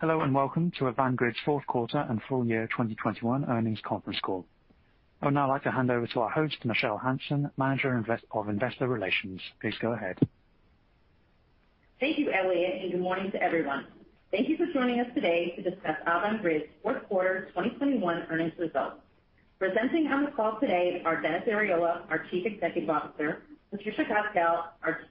Hello, and welcome to Avangrid's fourth quarter and full year 2021 earnings conference call. I would now like to hand over to our host, Michelle Hanson, Manager of Investor Relations. Please go ahead. Thank you, Elliot, and good morning to everyone. Thank you for joining us today to discuss Avangrid's fourth quarter 2021 earnings results. Presenting on the call today are Dennis Arriola, our Chief Executive Officer, Patricia Cosgel, our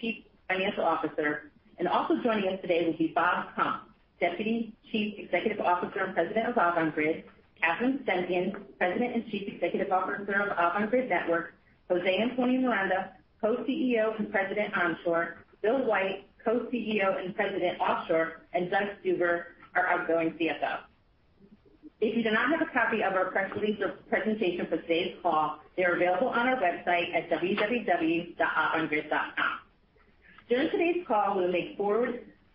Chief Financial Officer, and also joining us today will be Robert Kump, Deputy Chief Executive Officer and President of Avangrid, Catherine Stempien, President and Chief Executive Officer of Avangrid Networks, José Antonio Miranda, Co-CEO and President, Onshore, Bill White, Co-CEO and President, Offshore, and Doug Stuver, our outgoing CFO. If you do not have a copy of our press release or presentation for today's call, they are available on our website at www.avangrid.com. During today's call, we'll make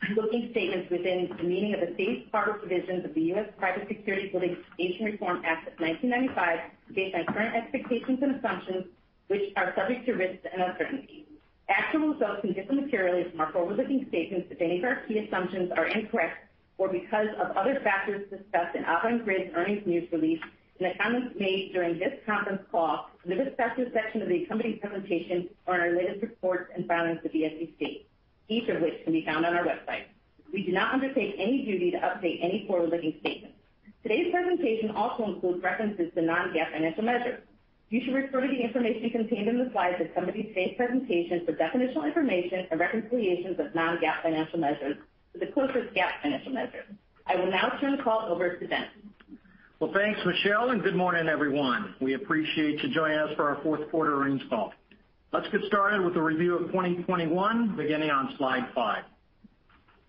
forward-looking statements within the meaning of the Safe Harbor provisions of the U.S. Private Securities Litigation Reform Act of 1995 based on current expectations and assumptions, which are subject to risks and uncertainties. Actual results can differ materially from our forward-looking statements if any of our key assumptions are incorrect or because of other factors discussed in Avangrid's earnings news release and the comments made during this conference call, in the Discussion section of the accompanying presentation or in our latest reports and filings with the SEC, each of which can be found on our website. We do not undertake any duty to update any forward-looking statements. Today's presentation also includes references to non-GAAP financial measures. You should refer to the information contained in the slides that accompany today's presentation for definitional information and reconciliations of non-GAAP financial measures to the closest GAAP financial measure. I will now turn the call over to Dennis. Well, thanks, Michelle, and good morning, everyone. We appreciate you joining us for our fourth quarter earnings call. Let's get started with a review of 2020 beginning on slide five.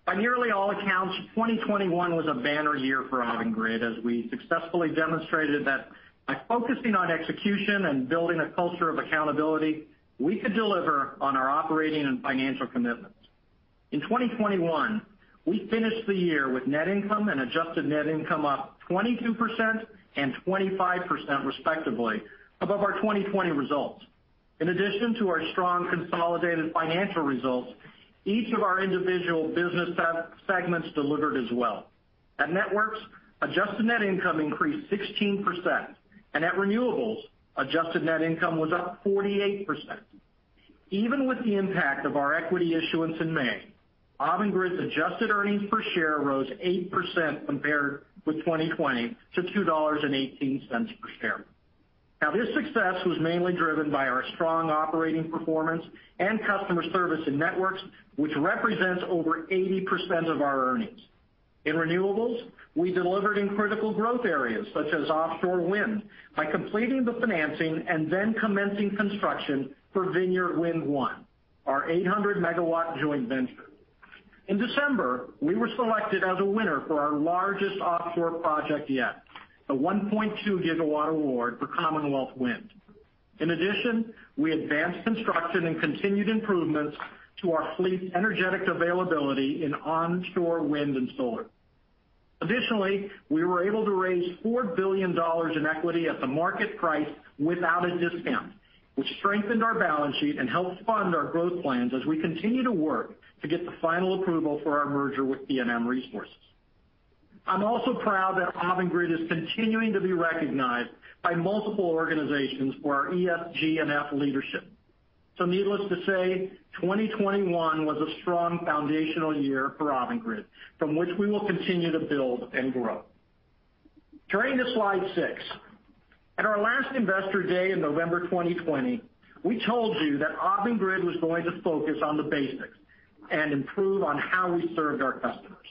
On nearly all accounts, 2021 was a banner year for Avangrid, as we successfully demonstrated that by focusing on execution and building a culture of accountability, we could deliver on our operating and financial commitments. In 2021, we finished the year with net income and adjusted net income up 22% and 25%, respectively, above our 2020 results. In addition to our strong consolidated financial results, each of our individual business segments delivered as well. At Networks, adjusted net income increased 16%, and at Renewables, adjusted net income was up 48%. Even with the impact of our equity issuance in May, Avangrid's adjusted earnings per share rose 8% compared with 2020 to $2.18 per share. Now, this success was mainly driven by our strong operating performance and customer service in Networks, which represents over 80% of our earnings. In Renewables, we delivered in critical growth areas such as offshore wind by completing the financing and then commencing construction for Vineyard Wind 1, our 800 MW joint venture. In December, we were selected as a winner for our largest offshore project yet, the 1.2 GW award for Commonwealth Wind. In addition, we advanced construction and continued improvements to our fleet energy availability in onshore wind and solar. Additionally, we were able to raise $4 billion in equity at the market price without a discount, which strengthened our balance sheet and helped fund our growth plans as we continue to work to get the final approval for our merger with PNM Resources. I'm also proud that Avangrid is continuing to be recognized by multiple organizations for our ESG+F leadership. Needless to say, 2021 was a strong foundational year for Avangrid, from which we will continue to build and grow. Turning to slide six. At our last Investor Day in November 2020, we told you that Avangrid was going to focus on the basics and improve on how we served our customers.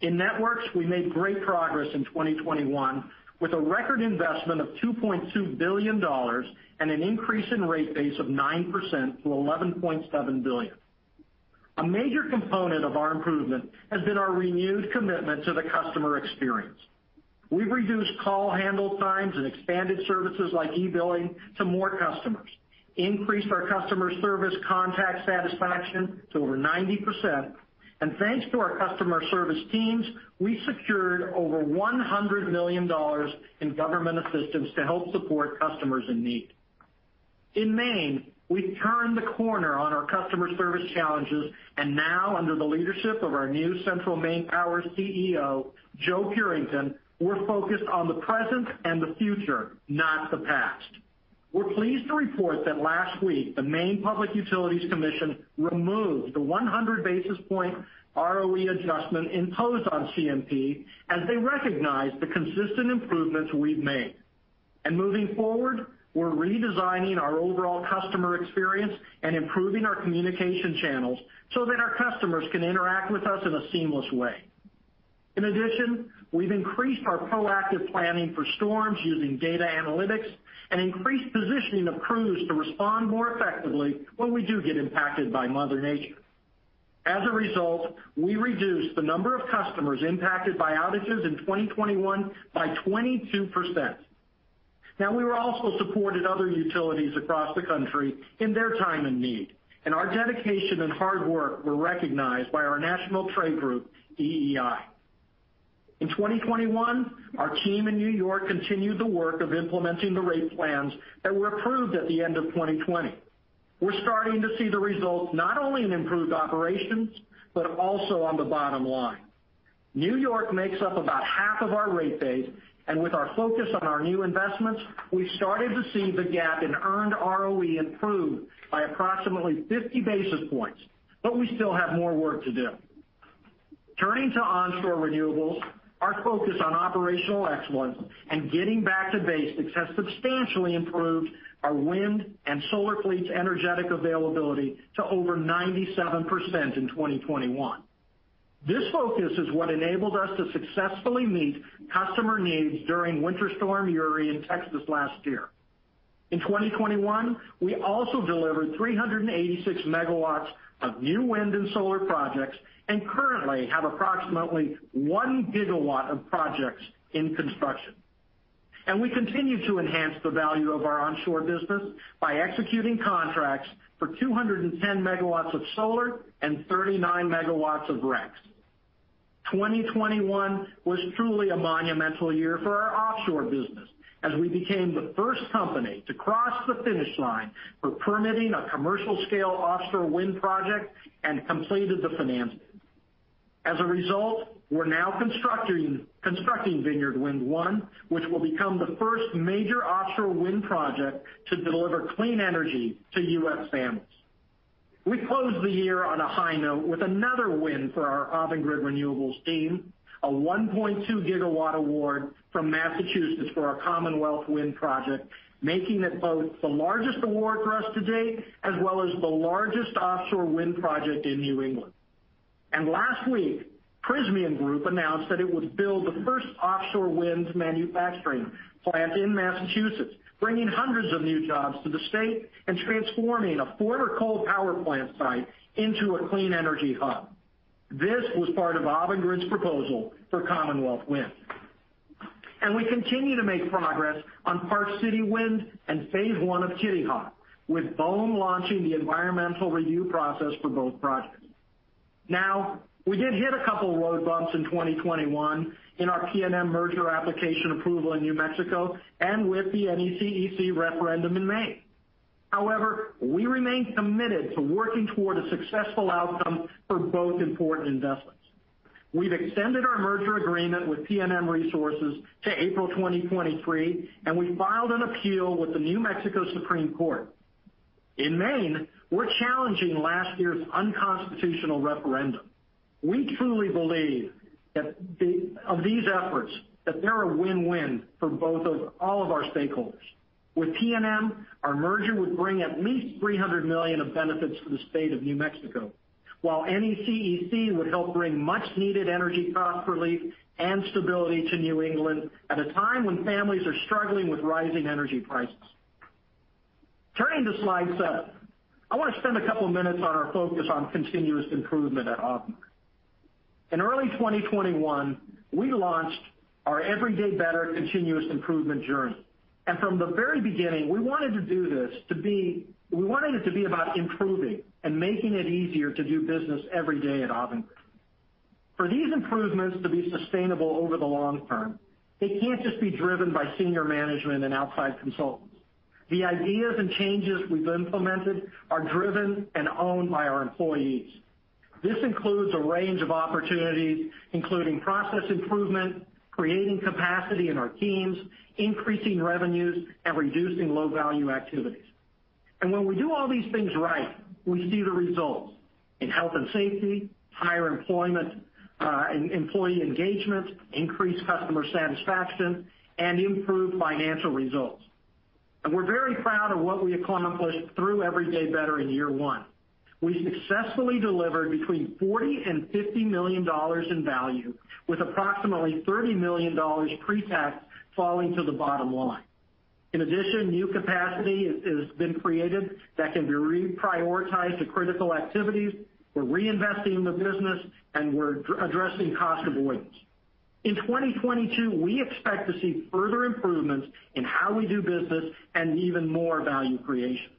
In Networks, we made great progress in 2021 with a record investment of $2.2 billion and an increase in rate base of 9% to $11.7 billion. A major component of our improvement has been our renewed commitment to the customer experience. We've reduced call handle times and expanded services like e-billing to more customers, increased our customer service contact satisfaction to over 90%, and thanks to our customer service teams, we secured over $100 million in government assistance to help support customers in need. In Maine, we've turned the corner on our customer service challenges, and now, under the leadership of our new Central Maine Power CEO, Joe Purington, we're focused on the present and the future, not the past. We're pleased to report that last week, the Maine Public Utilities Commission removed the 100 basis points ROE adjustment imposed on CMP as they recognized the consistent improvements we've made. Moving forward, we're redesigning our overall customer experience and improving our communication channels so that our customers can interact with us in a seamless way. In addition, we've increased our proactive planning for storms using data analytics and increased positioning of crews to respond more effectively when we do get impacted by mother nature. As a result, we reduced the number of customers impacted by outages in 2021 by 22%. Now, we also supported other utilities across the country in their time in need, and our dedication and hard work were recognized by our national trade group, EEI. In 2021, our team in New York continued the work of implementing the rate plans that were approved at the end of 2020. We're starting to see the results, not only in improved operations, but also on the bottom line. New York makes up about half of our rate base, and with our focus on our new investments, we started to see the gap in earned ROE improve by approximately 50 basis points, but we still have more work to do. Turning to onshore renewables, our focus on operational excellence and getting back to basics has substantially improved our wind and solar fleet's energetic availability to over 97% in 2021. This focus is what enabled us to successfully meet customer needs during Winter Storm Uri in Texas last year. In 2021, we also delivered 386 MW of new wind and solar projects, and currently have approximately 1 GW of projects in construction. We continue to enhance the value of our onshore business by executing contracts for 210 MW of solar and 39 MW of RECs. 2021 was truly a monumental year for our offshore business as we became the first company to cross the finish line for permitting a commercial-scale offshore wind project and completed the financing. As a result, we're now constructing Vineyard Wind 1, which will become the first major offshore wind project to deliver clean energy to U.S. families. We closed the year on a high note with another win for our Avangrid Renewables team, a 1.2 GW award from Massachusetts for our Commonwealth Wind project, making it both the largest award for us to date, as well as the largest offshore wind project in New England. Last week, Prysmian Group announced that it would build the first offshore winds manufacturing plant in Massachusetts, bringing hundreds of new jobs to the state and transforming a former coal power plant site into a clean energy hub. This was part of Avangrid's proposal for Commonwealth Wind. We continue to make progress on Park City Wind and phase one of Kitty Hawk, with BOEM launching the environmental review process for both projects. Now, we did hit a couple road bumps in 2021 in our PNM merger application approval in New Mexico and with the NECEC referendum in Maine. However, we remain committed to working toward a successful outcome for both important investments. We've extended our merger agreement with PNM Resources to April 2023, and we filed an appeal with the New Mexico Supreme Court. In Maine, we're challenging last year's unconstitutional referendum. We truly believe that they're a win-win for all of our stakeholders. With PNM, our merger would bring at least $300 million of benefits to the state of New Mexico, while NECEC would help bring much-needed energy cost relief and stability to New England at a time when families are struggling with rising energy prices. Turning to slide seven. I wanna spend a couple minutes on our focus on continuous improvement at Avangrid. In early 2021, we launched our Everyday Better continuous improvement journey. From the very beginning, we wanted it to be about improving and making it easier to do business every day at Avangrid. For these improvements to be sustainable over the long term, they can't just be driven by senior management and outside consultants. The ideas and changes we've implemented are driven and owned by our employees. This includes a range of opportunities, including process improvement, creating capacity in our teams, increasing revenues, and reducing low-value activities. When we do all these things right, we see the results in health and safety, higher employment, and employee engagement, increased customer satisfaction, and improved financial results. We're very proud of what we accomplished through Everyday Better in year one. We successfully delivered between $40 million and $50 million in value with approximately $30 million pre-tax falling to the bottom line. In addition, new capacity has been created that can be reprioritized to critical activities. We're reinvesting in the business, and we're addressing cost avoidance. In 2022, we expect to see further improvements in how we do business and even more value creation.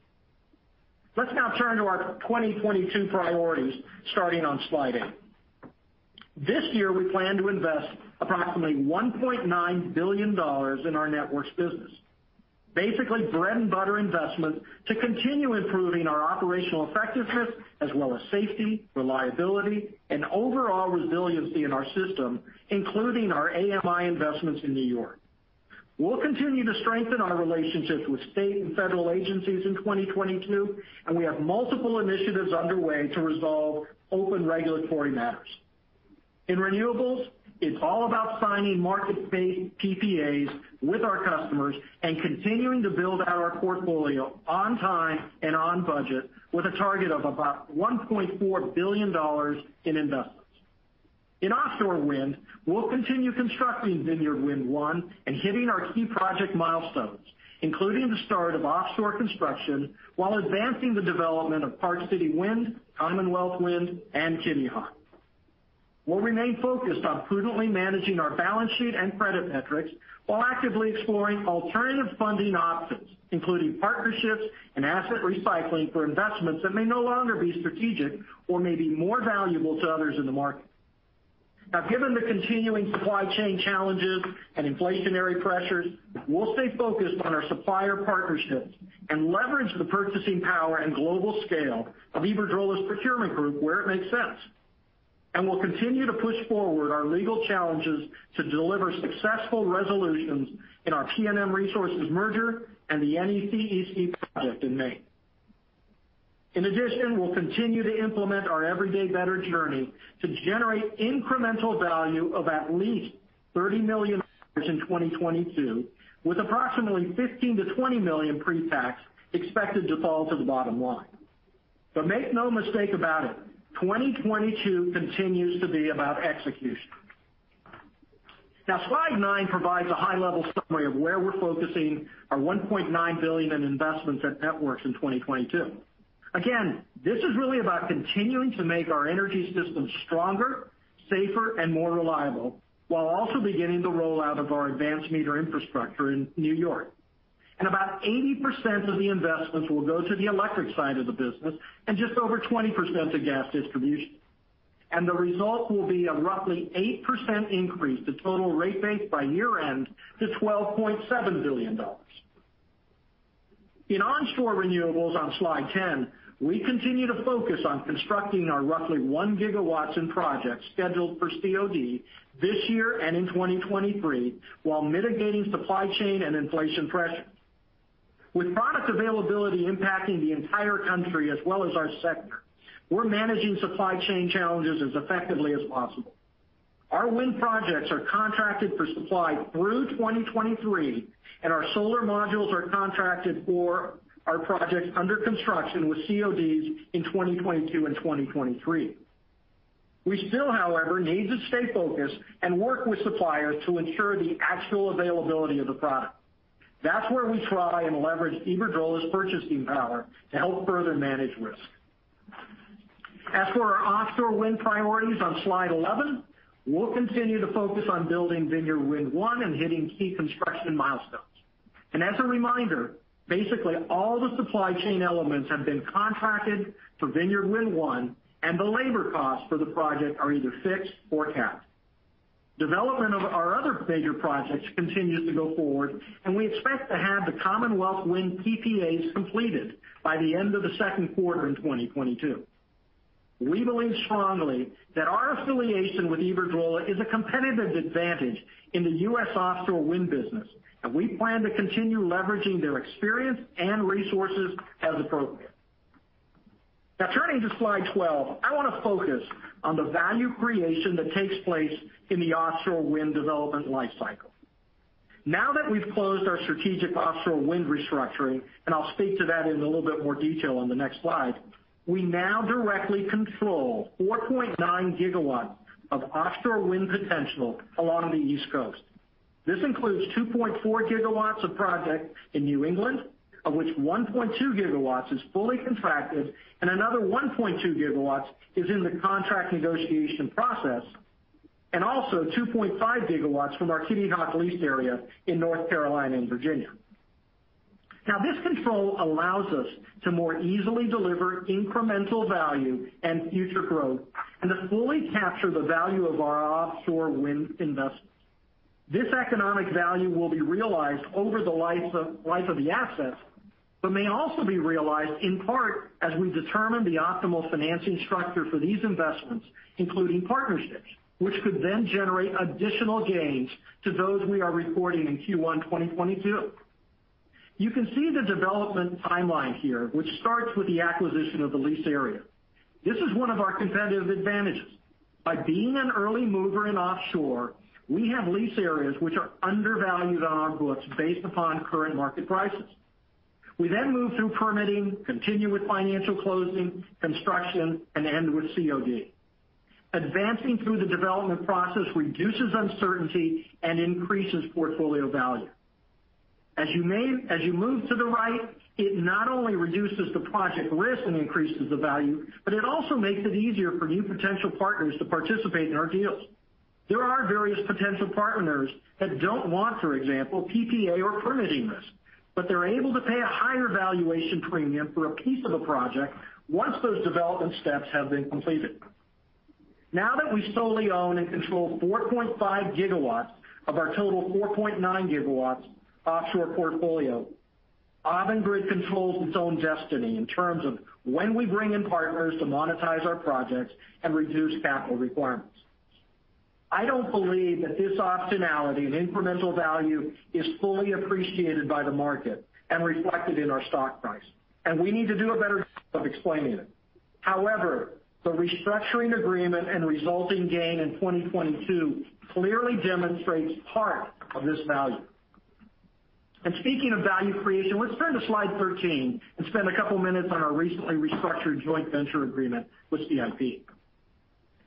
Let's now turn to our 2022 priorities, starting on slide eight. This year, we plan to invest approximately $1.9 billion in our Networks business. Basically, bread and butter investment to continue improving our operational effectiveness as well as safety, reliability, and overall resiliency in our system, including our AMI investments in New York. We'll continue to strengthen our relationships with state and federal agencies in 2022, and we have multiple initiatives underway to resolve open regulatory matters. In renewables, it's all about signing market-based PPAs with our customers and continuing to build out our portfolio on time and on budget with a target of about $1.4 billion in investments. In offshore wind, we'll continue constructing Vineyard Wind 1 and hitting our key project milestones, including the start of offshore construction while advancing the development of Park City Wind, Commonwealth Wind, and Kitty Hawk Wind. We'll remain focused on prudently managing our balance sheet and credit metrics while actively exploring alternative funding options, including partnerships and asset recycling for investments that may no longer be strategic or may be more valuable to others in the market. Now, given the continuing supply chain challenges and inflationary pressures, we'll stay focused on our supplier partnerships and leverage the purchasing power and global scale of Iberdrola's procurement group where it makes sense. We'll continue to push forward our legal challenges to deliver successful resolutions in our PNM Resources merger and the NECEC project in Maine. In addition, we'll continue to implement our Everyday Better journey to generate incremental value of at least $30 million in 2022, with approximately $15 million-$20 million pre-tax expected to fall to the bottom line. Make no mistake about it, 2022 continues to be about execution. Now, slide nine provides a high-level summary of where we're focusing our $1.9 billion in investments at Networks in 2022. Again, this is really about continuing to make our energy system stronger, safer, and more reliable, while also beginning the rollout of our advanced meter infrastructure in New York. About 80% of the investments will go to the electric side of the business and just over 20% to gas distribution. The result will be a roughly 8% increase to total rate base by year-end to $12.7 billion. In Onshore Renewables on slide 10, we continue to focus on constructing our roughly 1 GW in projects scheduled for COD this year and in 2023, while mitigating supply chain and inflation pressures. With product availability impacting the entire country as well as our sector, we're managing supply chain challenges as effectively as possible. Our wind projects are contracted for supply through 2023, and our solar modules are contracted for our projects under construction with CODs in 2022 and 2023. We still, however, need to stay focused and work with suppliers to ensure the actual availability of the product. That's where we try and leverage Iberdrola's purchasing power to help further manage risk. As for our offshore wind priorities on slide 11, we'll continue to focus on building Vineyard Wind 1 and hitting key construction milestones. As a reminder, basically all the supply chain elements have been contracted for Vineyard Wind 1, and the labor costs for the project are either fixed or capped. Development of our other major projects continues to go forward, and we expect to have the Commonwealth Wind PPAs completed by the end of the second quarter in 2022. We believe strongly that our affiliation with Iberdrola is a competitive advantage in the U.S. offshore wind business, and we plan to continue leveraging their experience and resources as appropriate. Now turning to slide 12, I want to focus on the value creation that takes place in the offshore wind development life cycle. Now that we've closed our strategic offshore wind restructuring, and I'll speak to that in a little bit more detail on the next slide, we now directly control 4.9 GW of offshore wind potential along the East Coast. This includes 2.4 GW of project in New England, of which 1.2 GW is fully contracted and another 1.2 GW is in the contract negotiation process, and also 2.5 GW from our Kitty Hawk leased area in North Carolina and Virginia. Now this control allows us to more easily deliver incremental value and future growth and to fully capture the value of our offshore wind investments. This economic value will be realized over the life of the assets, but may also be realized in part as we determine the optimal financing structure for these investments, including partnerships, which could then generate additional gains to those we are reporting in Q1 2022. You can see the development timeline here, which starts with the acquisition of the lease area. This is one of our competitive advantages. By being an early mover in offshore, we have lease areas which are undervalued on our books based upon current market prices. We then move through permitting, continue with financial closing, construction, and end with COD. Advancing through the development process reduces uncertainty and increases portfolio value. As you move to the right, it not only reduces the project risk and increases the value, but it also makes it easier for new potential partners to participate in our deals. There are various potential partners that don't want, for example, PPA or permitting risk, but they're able to pay a higher valuation premium for a piece of a project once those development steps have been completed. Now that we solely own and control 4.5 GW of our total 4.9 GW offshore portfolio, Avangrid controls its own destiny in terms of when we bring in partners to monetize our projects and reduce capital requirements. I don't believe that this optionality and incremental value is fully appreciated by the market and reflected in our stock price, and we need to do a better job of explaining it. However, the restructuring agreement and resulting gain in 2022 clearly demonstrates part of this value. Speaking of value creation, let's turn to slide 13 and spend a couple minutes on our recently restructured joint venture agreement with CMP.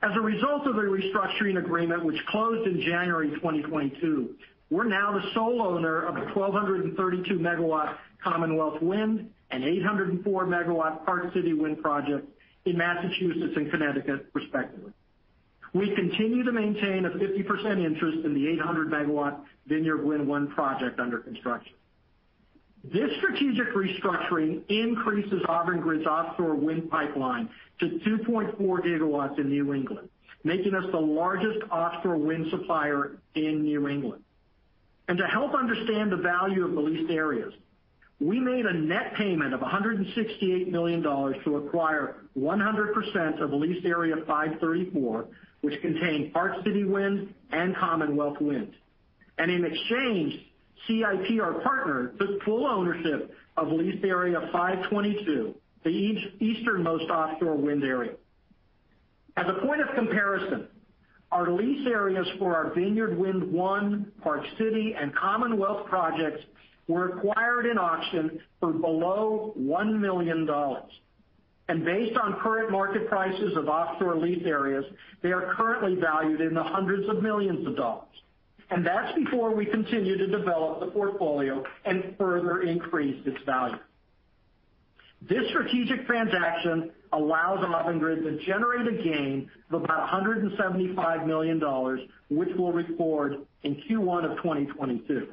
As a result of the restructuring agreement which closed in January 2022, we're now the sole owner of the 1,232 MW Commonwealth Wind and 804 MW Park City Wind project in Massachusetts and Connecticut, respectively. We continue to maintain a 50% interest in the 800 MW Vineyard Wind 1 project under construction. This strategic restructuring increases Avangrid's offshore wind pipeline to 2.4 GW in New England, making us the largest offshore wind supplier in New England. To help understand the value of the leased areas, we made a net payment of $168 million to acquire 100% of leased area 534, which contained Park City Wind and Commonwealth Wind. In exchange, CIP, our partner, took full ownership of leased area 522, the easternmost offshore wind area. As a point of comparison, our lease areas for our Vineyard Wind 1, Park City Wind, and Commonwealth Wind projects were acquired in auction for below $1 million. Based on current market prices of offshore lease areas, they are currently valued in the hundreds of millions of dollars, and that's before we continue to develop the portfolio and further increase its value. This strategic transaction allows Avangrid to generate a gain of about $175 million, which we'll record in Q1 of 2022.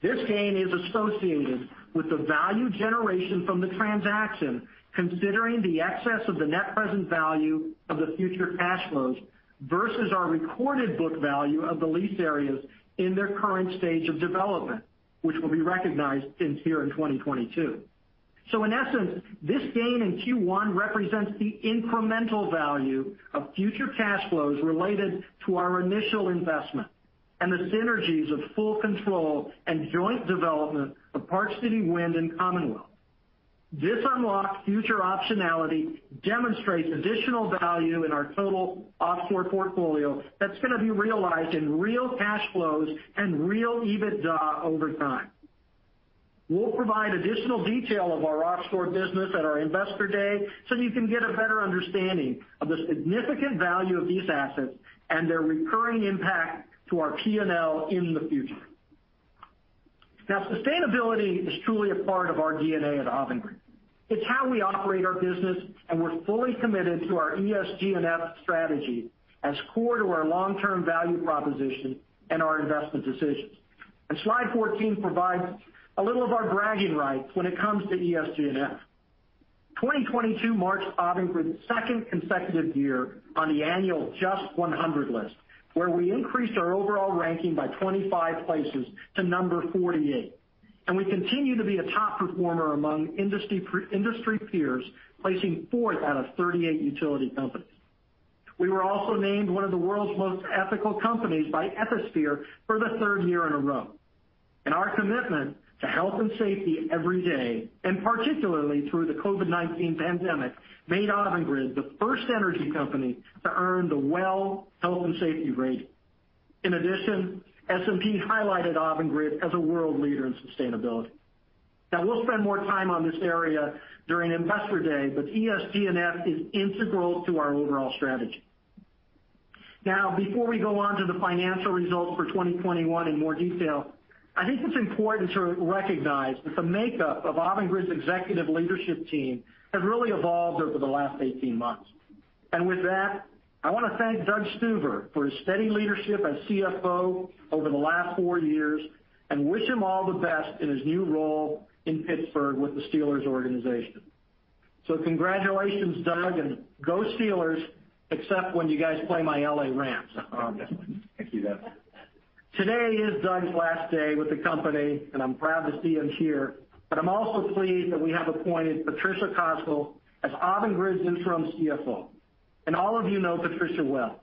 This gain is associated with the value generation from the transaction, considering the excess of the net present value of the future cash flows versus our recorded book value of the leased areas in their current stage of development, which will be recognized here in 2022. In essence, this gain in Q1 represents the incremental value of future cash flows related to our initial investment and the synergies of full control and joint development of Park City Wind and Commonwealth. This unlocked future optionality demonstrates additional value in our total offshore portfolio that's gonna be realized in real cash flows and real EBITDA over time. We'll provide additional detail of our offshore business at our Investor Day, so you can get a better understanding of the significant value of these assets and their recurring impact to our P&L in the future. Now, sustainability is truly a part of our DNA at Avangrid. It's how we operate our business, and we're fully committed to our ESG&F strategy as core to our long-term value proposition and our investment decisions. Slide 14 provides a little of our bragging rights when it comes to ESG&F. 2022 marks Avangrid's second consecutive year on the annual JUST 100 list, where we increased our overall ranking by 25 places to number 48, and we continue to be a top performer among industry peers, placing fourth out of 38 utility companies. We were also named one of the world's most ethical companies by Ethisphere for the third year in a row. Our commitment to health and safety every day, and particularly through the COVID-19 pandemic, made Avangrid the first energy company to earn the WELL Health-Safety Rating. In addition, S&P highlighted Avangrid as a world leader in sustainability. Now, we'll spend more time on this area during Investor Day, but ESG&F is integral to our overall strategy. Now, before we go on to the financial results for 2021 in more detail, I think it's important to recognize that the makeup of Avangrid's executive leadership team has really evolved over the last 18 months. With that, I wanna thank Doug Stuver for his steady leadership as CFO over the last four years, and wish him all the best in his new role in Pittsburgh with the Steelers organization. Congratulations, Doug, and go Steelers, except when you guys play my L.A. Rams. Thank you, Dennis. Today is Doug's last day with the company, and I'm proud to see him here, but I'm also pleased that we have appointed Patricia Cosgel as Avangrid's interim CFO. All of you know Patricia well.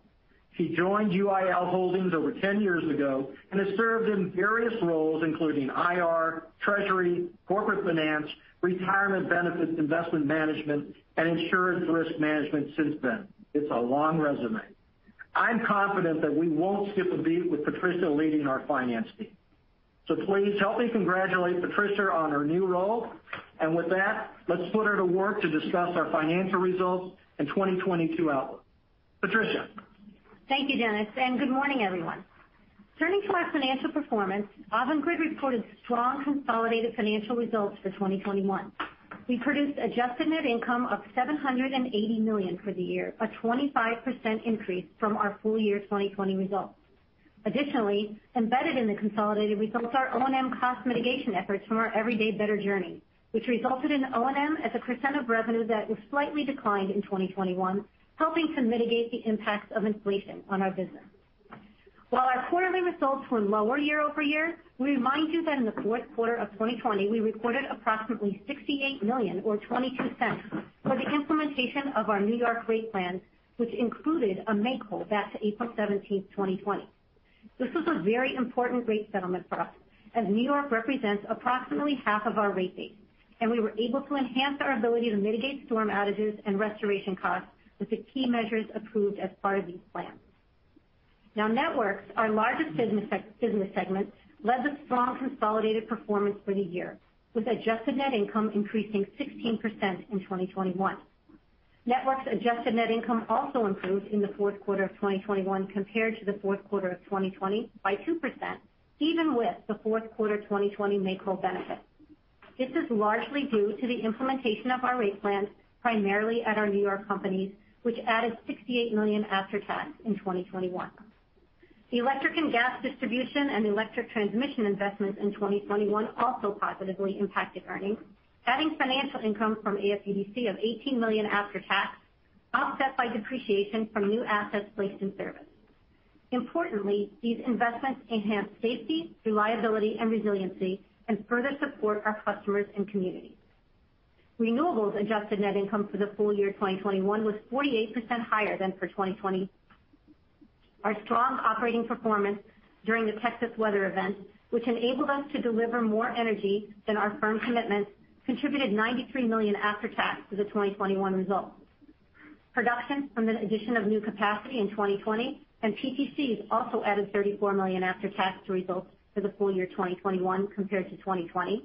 She joined UIL Holdings over 10 years ago and has served in various roles including IR, treasury, corporate finance, retirement benefits, investment management, and insurance risk management since then. It's a long resume. I'm confident that we won't skip a beat with Patricia leading our finance team. Please help me congratulate Patricia on her new role. With that, let's put her to work to discuss our financial results and 2022 outlook. Patricia? Thank you, Dennis, and good morning, everyone. Turning to our financial performance, Avangrid reported strong consolidated financial results for 2021. We produced adjusted net income of $780 million for the year, a 25% increase from our full year 2020 results. Additionally, embedded in the consolidated results are O&M cost mitigation efforts from our Everyday Better journey, which resulted in O&M as a % of revenue that was slightly declined in 2021, helping to mitigate the impacts of inflation on our business. While our quarterly results were lower year-over-year, we remind you that in the fourth quarter of 2020, we recorded approximately $68 million or $0.22 for the implementation of our New York rate plans, which included a make-whole back to April 17th, 2020. This was a very important rate settlement for us, as New York represents approximately half of our rate base, and we were able to enhance our ability to mitigate storm outages and restoration costs with the key measures approved as part of these plans. Now, Networks, our largest business segment, led the strong consolidated performance for the year with adjusted net income increasing 16% in 2021. Networks' adjusted net income also improved in the fourth quarter of 2021 compared to the fourth quarter of 2020 by 2%, even with the fourth quarter 2020 make-whole benefit. This is largely due to the implementation of our rate plans, primarily at our New York companies, which added $68 million after tax in 2021. The electric and gas distribution and electric transmission investments in 2021 also positively impacted earnings. Adding financial income from AFUDC of $18 million after tax, offset by depreciation from new assets placed in service. Importantly, these investments enhance safety, reliability and resiliency and further support our customers and communities. Renewables adjusted net income for the full year 2021 was 48% higher than for 2020. Our strong operating performance during the Texas weather event, which enabled us to deliver more energy than our firm commitments, contributed $93 million after tax to the 2021 results. Production from the addition of new capacity in 2020 and PTCs also added $34 million after tax to results for the full year 2021 compared to 2020,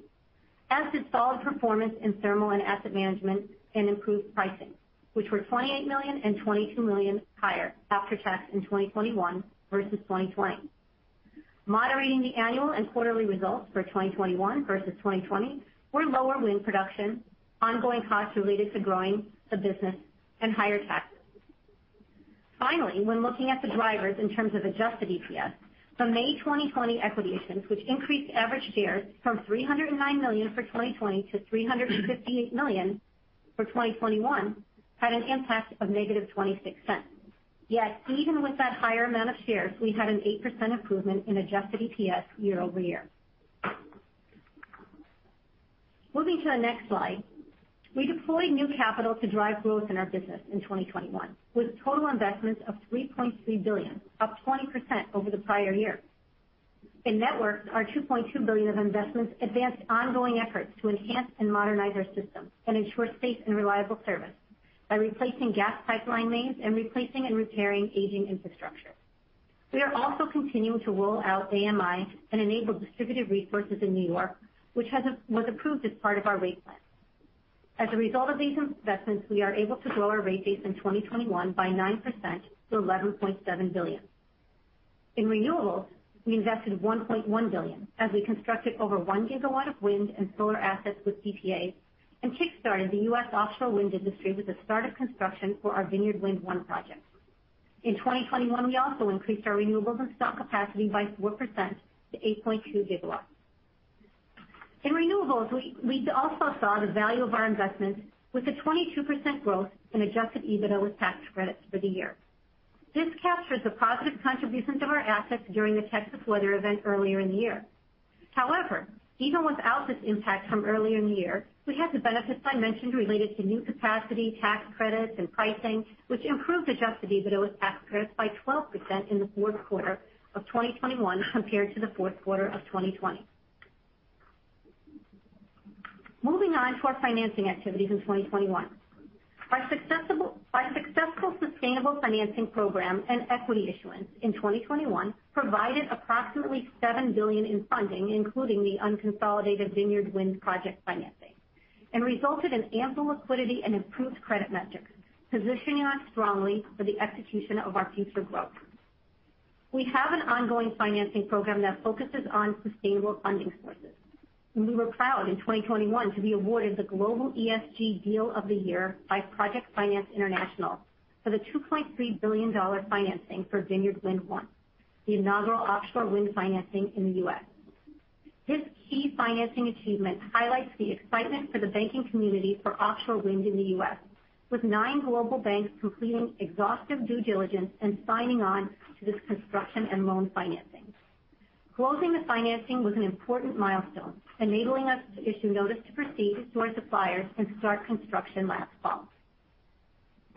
as did solid performance in thermal and asset management and improved pricing, which were $28 million and $22 million higher after tax in 2021 versus 2020. Moderating the annual and quarterly results for 2021 versus 2020 were lower wind production, ongoing costs related to growing the business and higher taxes. Finally, when looking at the drivers in terms of adjusted EPS from May 2020 equity issuance, which increased average shares from 309 million for 2020 to 358 million for 2021, had an impact of -$0.26. Yet even with that higher amount of shares, we had an 8% improvement in adjusted EPS year-over-year. Moving to the next slide. We deployed new capital to drive growth in our business in 2021, with total investments of $3.3 billion, up 20% over the prior year. In networks, our $2.2 billion of investments advanced ongoing efforts to enhance and modernize our systems and ensure safe and reliable service by replacing gas pipeline mains and replacing and repairing aging infrastructure. We are also continuing to roll out AMI and enable distributed resources in New York, which was approved as part of our rate plan. As a result of these investments, we are able to grow our rate base in 2021 by 9% to $11.7 billion. In renewables, we invested $1.1 billion as we constructed over 1 GW of wind and solar assets with PPAs and kick-started the U.S. offshore wind industry with the start of construction for our Vineyard Wind 1 project. In 2021, we also increased our renewables installed capacity by 4% to 8.2 GW. In renewables, we also saw the value of our investments with a 22% growth in adjusted EBITDA with tax credits for the year. This captures the positive contributions of our assets during the Texas weather event earlier in the year. However, even without this impact from earlier in the year, we had the benefits I mentioned related to new capacity, tax credits and pricing, which improved adjusted EBITDA with tax credits by 12% in the fourth quarter of 2021 compared to the fourth quarter of 2020. Moving on to our financing activities in 2021. Our successful sustainable financing program and equity issuance in 2021 provided approximately $7 billion in funding, including the unconsolidated Vineyard Wind project financing, and resulted in ample liquidity and improved credit metrics, positioning us strongly for the execution of our future growth. We have an ongoing financing program that focuses on sustainable funding sources. We were proud in 2021 to be awarded the Global ESG Deal of the Year by Project Finance International for the $2.3 billion financing for Vineyard Wind 1, the inaugural offshore wind financing in the U.S. This key financing achievement highlights the excitement for the banking community for offshore wind in the U.S., with nine global banks completing exhaustive due diligence and signing on to this construction and loan financing. Closing the financing was an important milestone, enabling us to issue notice to proceed to OEM suppliers and start construction last fall.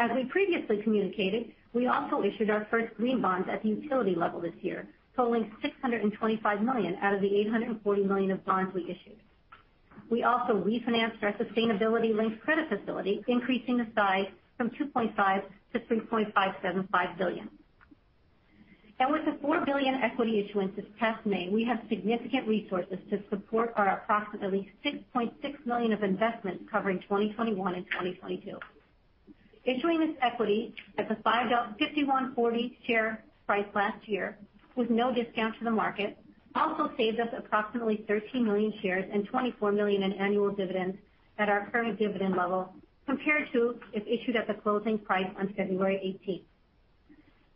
As we previously communicated, we also issued our first green bonds at the utility level this year, totaling $625 million out of the $840 million of bonds we issued. We also refinanced our sustainability-linked credit facility, increasing the size from $2.5 billion to $3.575 billion. With the $4 billion equity issuance this past May, we have significant resources to support our approximately $6.6 billion of investments covering 2021 and 2022. Issuing this equity at the $51.40 share price last year with no discount to the market also saves us approximately 13 million shares and $24 million in annual dividends at our current dividend level compared to if issued at the closing price on February 18th.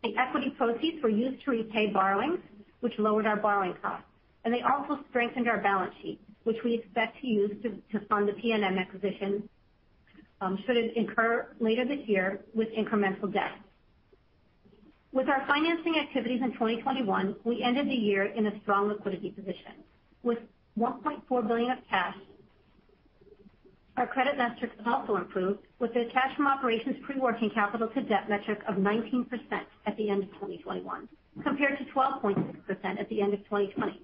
The equity proceeds were used to repay borrowings which lowered our borrowing costs, and they also strengthened our balance sheet, which we expect to use to fund the PNM acquisition should it occur later this year with incremental debt. With our financing activities in 2021, we ended the year in a strong liquidity position with $1.4 billion of cash. Our credit metrics have also improved with the cash from operations pre-working capital to debt metric of 19% at the end of 2021, compared to 12.6% at the end of 2020.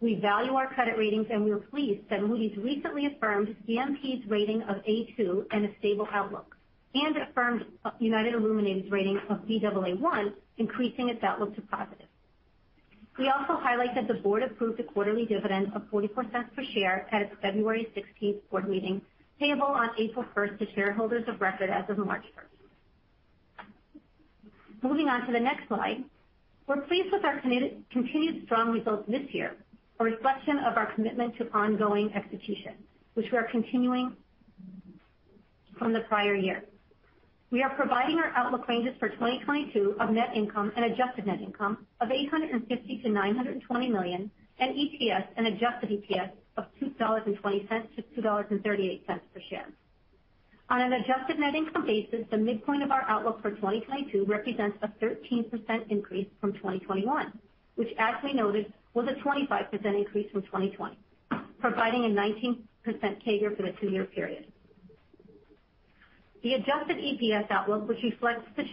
We value our credit ratings and we are pleased that Moody's recently affirmed CMP's rating of A2 and a stable outlook and affirmed United Illuminating's rating of Baa1, increasing its outlook to positive. We also highlight that the board approved a quarterly dividend of $0.44 per share at its February 16th board meeting, payable on April 1st to shareholders of record as of March 1st. Moving on to the next slide. We're pleased with our continued strong results this year, a reflection of our commitment to ongoing execution, which we are continuing from the prior year. We are providing our outlook ranges for 2022 of net income and adjusted net income of $850 million-$920 million and EPS and adjusted EPS of $2.20-$2.38 per share. On an adjusted net income basis, the midpoint of our outlook for 2022 represents a 13% increase from 2021, which as we noted, was a 25% increase from 2020, providing a 19% CAGR for the two-year period. The adjusted EPS outlook, which reflects the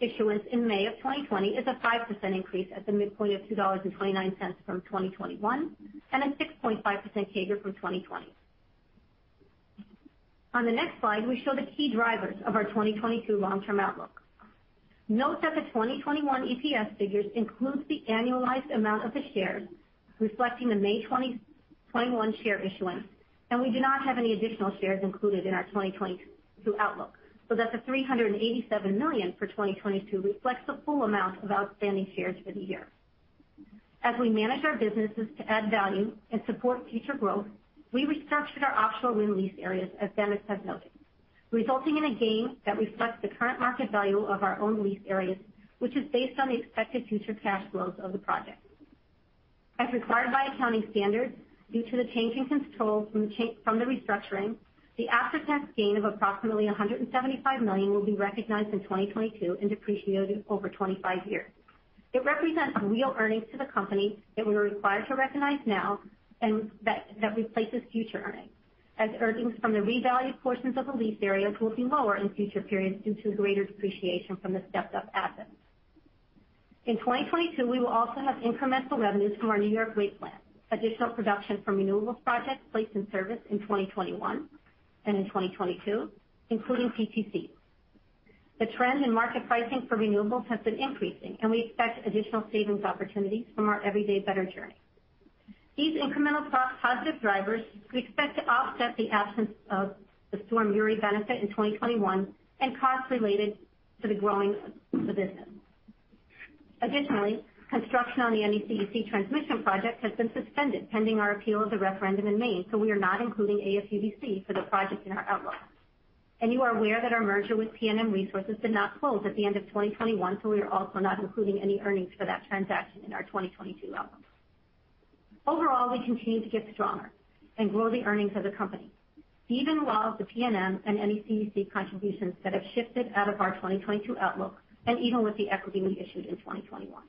share issuance in May of 2020, is a 5% increase at the midpoint of $2.29 from 2021 and a 6.5% CAGR from 2020. On the next slide, we show the key drivers of our 2022 long-term outlook. Note that the 2021 EPS figures includes the annualized amount of the shares, reflecting the May 2021 share issuance, and we do not have any additional shares included in our 2022 outlook, so that the 387 million for 2022 reflects the full amount of outstanding shares for the year. As we manage our businesses to add value and support future growth, we restructured our offshore wind lease areas, as Dennis has noted, resulting in a gain that reflects the current market value of our own lease areas, which is based on the expected future cash flows of the project. As required by accounting standards, due to the change in controls from the restructuring, the after-tax gain of approximately $175 million will be recognized in 2022 and depreciated over 25 years. It represents real earnings to the company that we are required to recognize now and that replaces future earnings, as earnings from the revalued portions of the lease areas will be lower in future periods due to greater depreciation from the stepped up assets. In 2022, we will also have incremental revenues from our New York waste plant, additional production from renewables projects placed in service in 2021 and in 2022, including PTC. The trend in market pricing for renewables has been increasing and we expect additional savings opportunities from our Everyday Better journey. These incremental cost positive drivers we expect to offset the absence of the Winter Storm Uri benefit in 2021 and costs related to the growing of the business. Additionally, construction on the NECEC transmission project has been suspended pending our appeal of the referendum in Maine, so we are not including AFUDC for the project in our outlook. You are aware that our merger with PNM Resources did not close at the end of 2021, so we are also not including any earnings for that transaction in our 2022 outlook. Overall, we continue to get stronger and grow the earnings as a company, even while the PNM and NECEC contributions that have shifted out of our 2022 outlook and even with the equity we issued in 2021.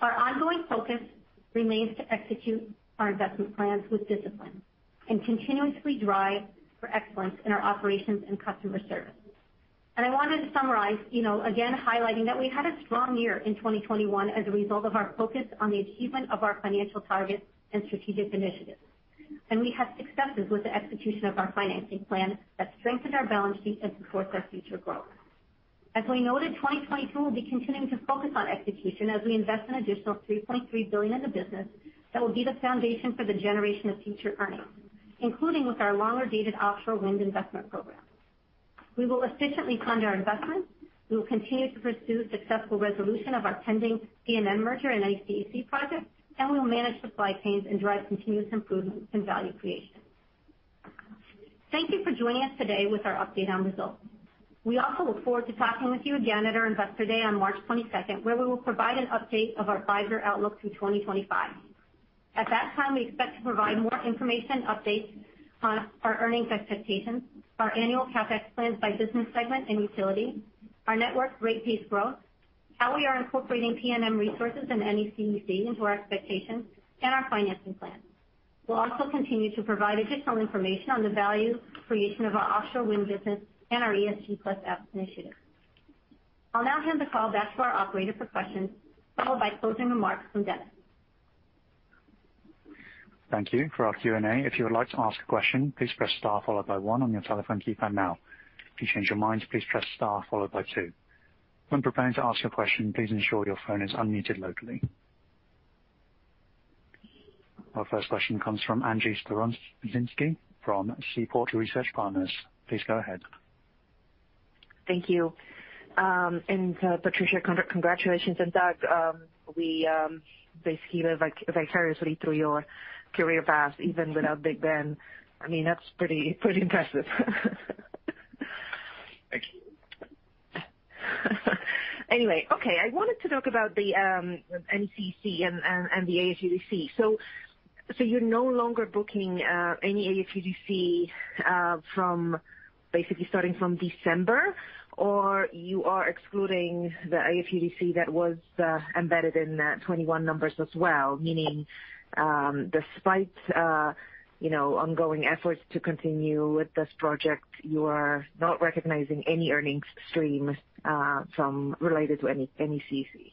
Our ongoing focus remains to execute our investment plans with discipline and continuously drive for excellence in our operations and customer service. I wanted to summarize, you know, again, highlighting that we had a strong year in 2021 as a result of our focus on the achievement of our financial targets and strategic initiatives. We had successes with the execution of our financing plan that strengthened our balance sheet and supports our future growth. As we noted, 2022 will be continuing to focus on execution as we invest an additional $3.3 billion in the business that will be the foundation for the generation of future earnings, including with our longer-dated offshore wind investment program. We will efficiently fund our investments. We will continue to pursue successful resolution of our pending PNM merger and NECEC project, and we will manage supply chains and drive continuous improvements in value creation. Thank you for joining us today with our update on results. We also look forward to talking with you again at our Investor Day on March 22nd, where we will provide an update of our five-year outlook through 2025. At that time, we expect to provide more information updates on our earnings expectations, our annual CapEx plans by business segment and utility, our network rate base growth, how we are incorporating PNM Resources and NECEC into our expectations, and our financing plans. We'll also continue to provide additional information on the value creation of our offshore wind business and our ESG+F initiative. I'll now hand the call back to our operator for questions, followed by closing remarks from Dennis. Thank you. For our Q&A, if you would like to ask a question, please press star followed by one on your telephone keypad now. If you change your mind, please press star followed by two. When preparing to ask your question, please ensure your phone is unmuted locally. Our first question comes from Angie Storozynski from Seaport Research Partners. Please go ahead. Thank you. Patricia, congratulations. Doug, we basically live vicariously through your career path, even without Ben Roethlisberger. I mean, that's pretty impressive. Thank you. Anyway, okay. I wanted to talk about the NECEC and the AFUDC. You're no longer booking any AFUDC from basically starting from December, or you are excluding the AFUDC that was embedded in the 2021 numbers as well? Meaning, despite you know ongoing efforts to continue with this project, you are not recognizing any earnings stream from or related to NECEC.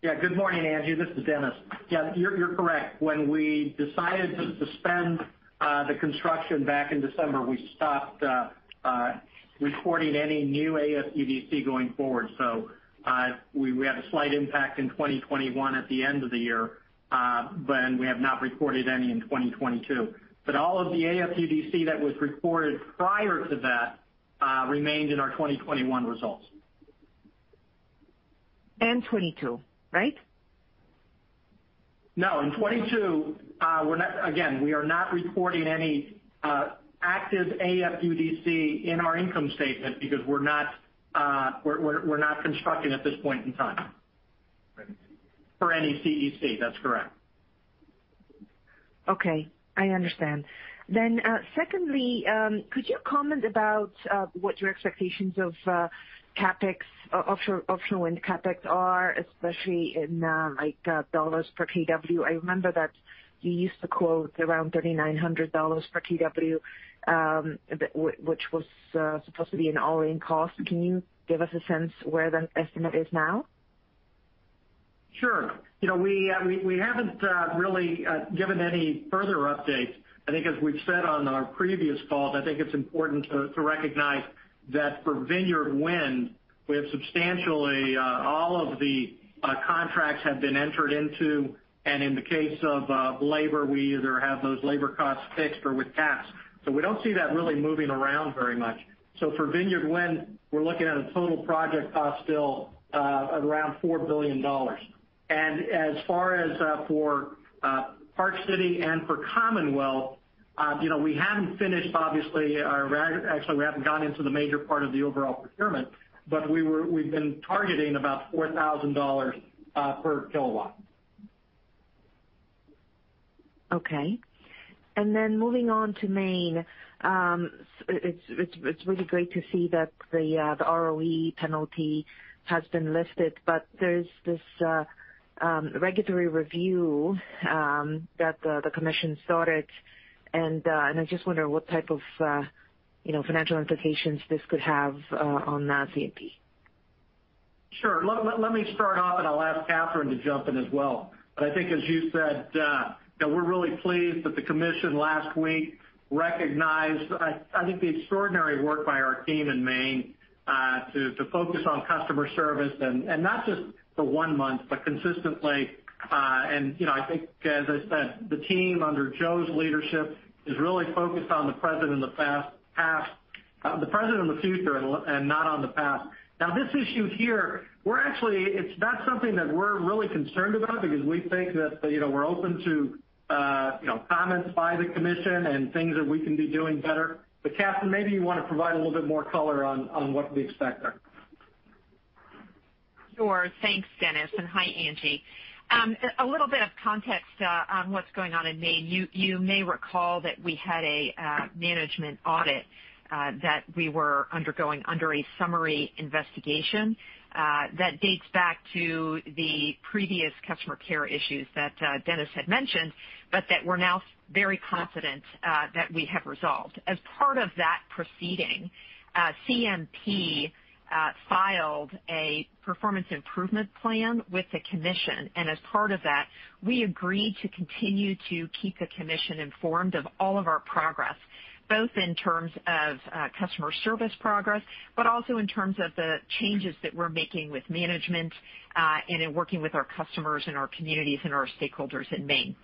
Yeah. Good morning, Angie. This is Dennis. Yeah, you're correct. When we decided to suspend the construction back in December, we stopped reporting any new AFUDC going forward. We had a slight impact in 2021 at the end of the year, but we have not reported any in 2022. All of the AFUDC that was reported prior to that remains in our 2021 results. 2022, right? No, in 2022, we're not. Again, we are not reporting any active AFUDC in our income statement because we're not constructing at this point in time. For any CEC. That's correct. Okay. I understand. Secondly, could you comment about what your expectations of CapEx, offshore wind CapEx are, especially in dollars per kW? I remember that you used to quote around $3,900 per kW, which was supposed to be an all-in cost. Can you give us a sense where the estimate is now? Sure. You know, we haven't really given any further updates. I think as we've said on our previous calls, I think it's important to recognize that for Vineyard Wind, we have substantially all of the contracts entered into. In the case of labor, we either have those labor costs fixed or with caps. We don't see that really moving around very much. For Vineyard Wind, we're looking at a total project cost still of around $4 billion. As far as for Park City and for Commonwealth, you know, we haven't finished, obviously. Actually, we haven't gone into the major part of the overall procurement, but we've been targeting about $4,000 per kilowatt. Okay. Moving on to Maine. It's really great to see that the ROE penalty has been lifted, but there's this regulatory review that the commission started. I just wonder what type of, you know, financial implications this could have on CMP. Sure. Let me start off, and I'll ask Catherine to jump in as well. I think as you said that we're really pleased that the commission last week recognized I think the extraordinary work by our team in Maine to focus on customer service and not just for one month, but consistently. You know, I think, as I said, the team under Joe's leadership is really focused on the present and the future and not on the past. Now, this issue here, it's not something that we're really concerned about because we think that, you know, we're open to you know comments by the commission and things that we can be doing better. Catherine, maybe you wanna provide a little bit more color on what we expect there. Sure. Thanks, Dennis, and hi, Angie. A little bit of context on what's going on in Maine. You may recall that we had a management audit that we were undergoing under a summary investigation that dates back to the previous customer care issues that Dennis had mentioned, but that we're now very confident that we have resolved. As part of that proceeding, CMP filed a performance improvement plan with the commission, and as part of that, we agreed to continue to keep the commission informed of all of our progress, both in terms of customer service progress, but also in terms of the changes that we're making with management and in working with our customers and our communities and our stakeholders in Maine.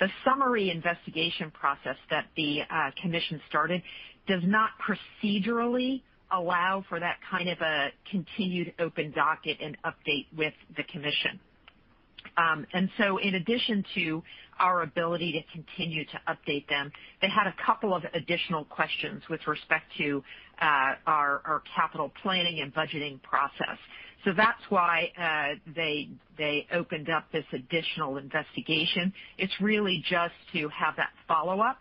The summary investigation process that the commission started does not procedurally allow for that kind of a continued open docket and update with the commission. In addition to our ability to continue to update them, they had a couple of additional questions with respect to our capital planning and budgeting process. That's why they opened up this additional investigation. It's really just to have that follow-up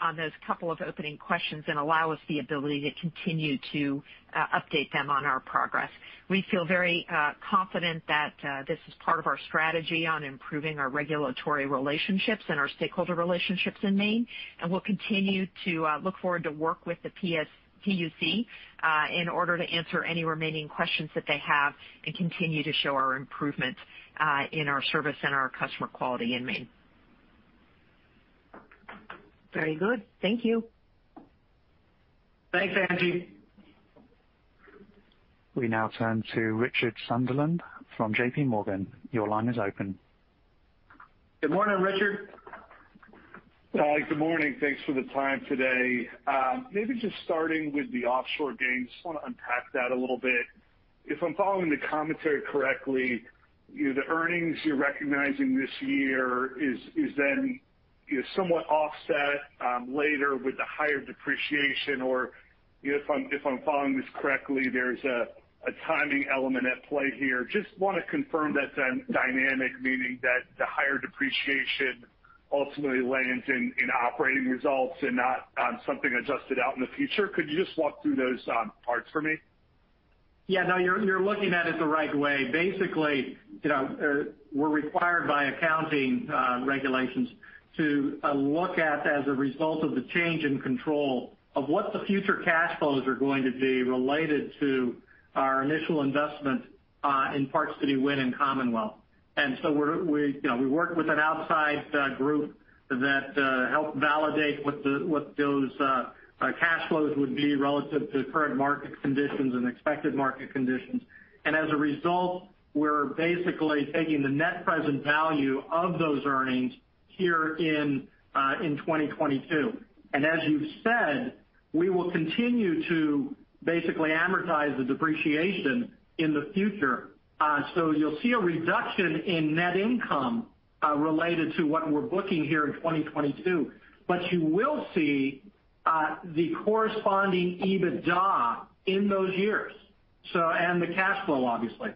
on those couple of opening questions and allow us the ability to continue to update them on our progress. We feel very confident that this is part of our strategy on improving our regulatory relationships and our stakeholder relationships in Maine, and we'll continue to look forward to work with the PUC in order to answer any remaining questions that they have and continue to show our improvement in our service and our customer quality in Maine. Very good. Thank you. Thanks, Angie. We now turn to Richard Sunderland from JPMorgan. Your line is open. Good morning, Richard. Hi, good morning. Thanks for the time today. Maybe just starting with the offshore gains. Just wanna unpack that a little bit. If I'm following the commentary correctly, you know, the earnings you're recognizing this year is then, you know, somewhat offset later with the higher depreciation or if I'm following this correctly, there's a timing element at play here. Just wanna confirm that dynamic, meaning that the higher depreciation ultimately lands in operating results and not something adjusted out in the future. Could you just walk through those parts for me? Yeah, no, you're looking at it the right way. Basically, you know, we're required by accounting regulations to look at as a result of the change in control of what the future cash flows are going to be related to our initial investment in Park City Wind and Commonwealth Wind. We're, you know, we work with an outside group that help validate what those cash flows would be relative to current market conditions and expected market conditions. As a result, we're basically taking the net present value of those earnings here in 2022. As you've said, we will continue to basically amortize the depreciation in the future. You'll see a reduction in net income related to what we're booking here in 2022. You will see the corresponding EBITDA in those years, and the cash flow, obviously.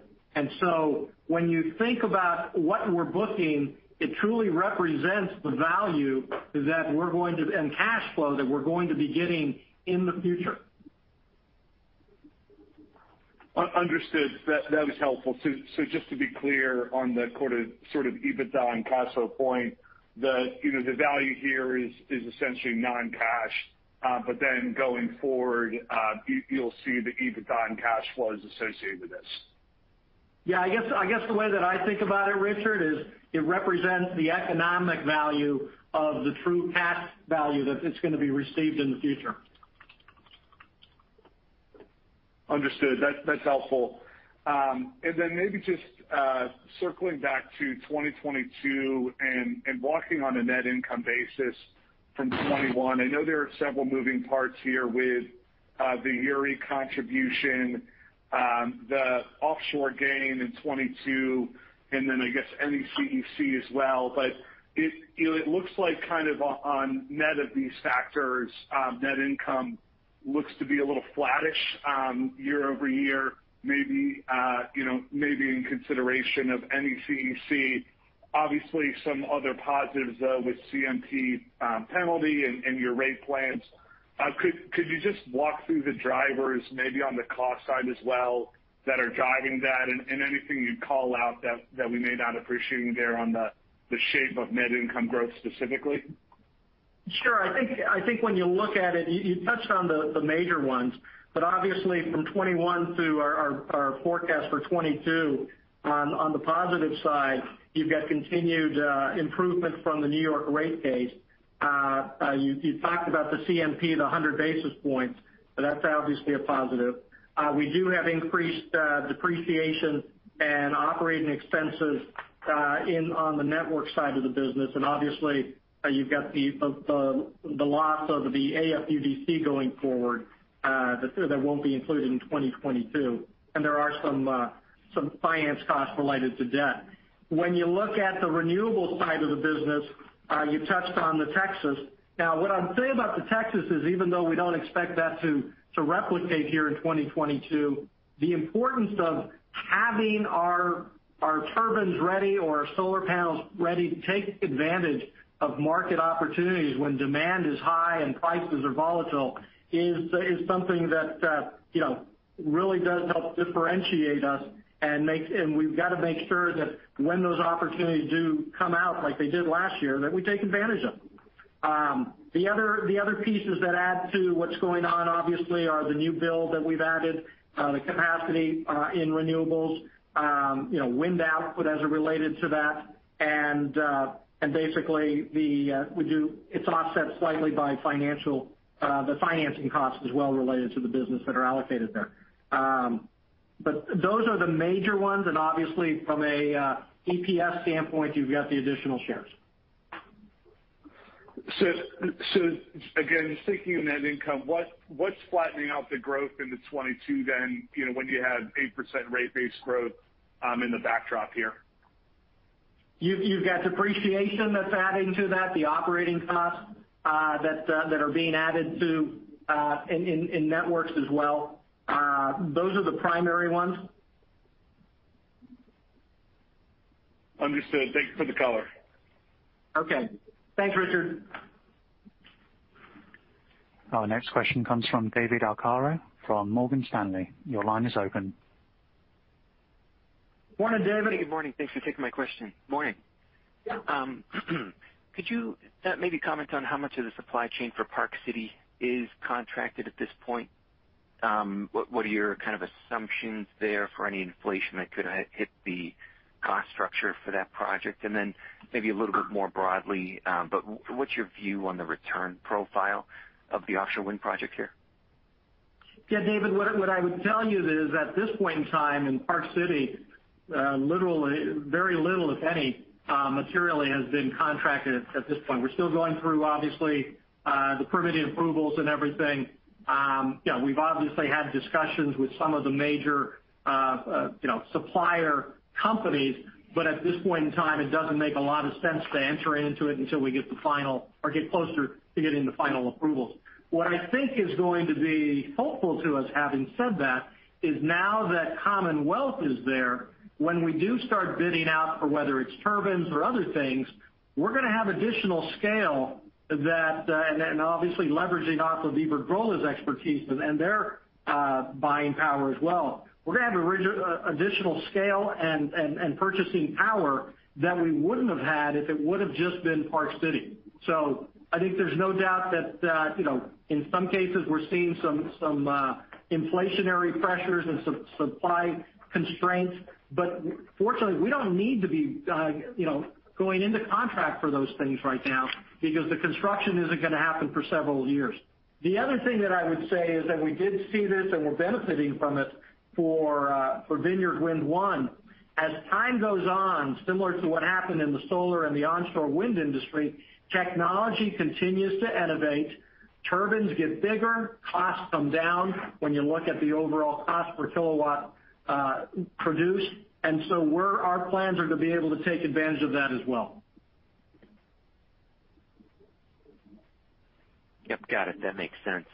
When you think about what we're booking, it truly represents the value and cash flow that we're going to be getting in the future. Understood. That was helpful. Just to be clear on the quoted sort of EBITDA and cash flow point, you know, the value here is essentially non-cash, but then going forward, you'll see the EBITDA and cash flows associated with this. Yeah, I guess the way that I think about it, Richard, is it represents the economic value of the true cash value that it's gonna be received in the future. Understood. That's helpful. Maybe just circling back to 2022 and walking through on a net income basis from 2021. I know there are several moving parts here with the Uri contribution, the offshore gain in 2022 and then I guess NECEC as well. It, you know, looks like kind of on net of these factors, net income looks to be a little flattish year-over-year, maybe, you know, maybe in consideration of NECEC. Obviously, some other positives with CMP penalty and your rate plans. Could you just walk through the drivers maybe on the cost side as well, that are driving that and anything you'd call out that we may not appreciate there on the shape of net income growth specifically? Sure. I think when you look at it, you touched on the major ones, but obviously from 2021 through our forecast for 2022, on the positive side, you've got continued improvement from the New York rate case. You talked about the CMP, the 100 basis points. So that's obviously a positive. We do have increased depreciation and operating expenses in the network side of the business. Obviously, you've got the loss of the AFUDC going forward, that won't be included in 2022. There are some finance costs related to debt. When you look at the renewable side of the business, you touched on the Texas. Now, what I'll say about Texas is even though we don't expect that to replicate here in 2022, the importance of having our turbines ready or our solar panels ready to take advantage of market opportunities when demand is high and prices are volatile is something that you know really does help differentiate us and we've got to make sure that when those opportunities do come out like they did last year, that we take advantage of them. The other pieces that add to what's going on obviously are the new build that we've added, the capacity in renewables, you know, wind output as it related to that. Basically it's offset slightly by the financing costs as well related to the business that are allocated there. Those are the major ones. Obviously from a EPS standpoint, you've got the additional shares. Again, just thinking of net income, what's flattening out the growth into 2022 then, you know, when you had 8% rate-based growth in the backdrop here? You've got depreciation that's adding to that, the operating costs that are being added to in Networks as well. Those are the primary ones. Understood. Thank you for the color. Okay. Thanks, Richard. Our next question comes from David Arcaro from Morgan Stanley. Your line is open. Morning, David. Good morning. Thanks for taking my question. Morning. Yeah. Could you maybe comment on how much of the supply chain for Park City is contracted at this point? What are your kind of assumptions there for any inflation that could hit the cost structure for that project? Then maybe a little bit more broadly, but what's your view on the return profile of the offshore wind project here? Yeah, David, what I would tell you is at this point in time in Park City, literally, very little, if any, materially has been contracted at this point. We're still going through obviously the permitting approvals and everything. You know, we've obviously had discussions with some of the major, you know, supplier companies, but at this point in time, it doesn't make a lot of sense to enter into it until we get the final or get closer to getting the final approvals. What I think is going to be helpful to us having said that, is now that Commonwealth is there, when we do start bidding out for whether it's turbines or other things, we're gonna have additional scale that, and obviously leveraging off of Iberdrola's expertise and their buying power as well. We're gonna have additional scale and purchasing power that we wouldn't have had if it would've just been Park City. I think there's no doubt that, you know, in some cases we're seeing some inflationary pressures and some supply constraints, but fortunately, we don't need to be, you know, going into contract for those things right now because the construction isn't gonna happen for several years. The other thing that I would say is that we did see this, and we're benefiting from it for Vineyard Wind 1. As time goes on, similar to what happened in the solar and the onshore wind industry, technology continues to innovate. Turbines get bigger, costs come down when you look at the overall cost per kilowatt produced. Our plans are to be able to take advantage of that as well. Yep, got it. That makes sense.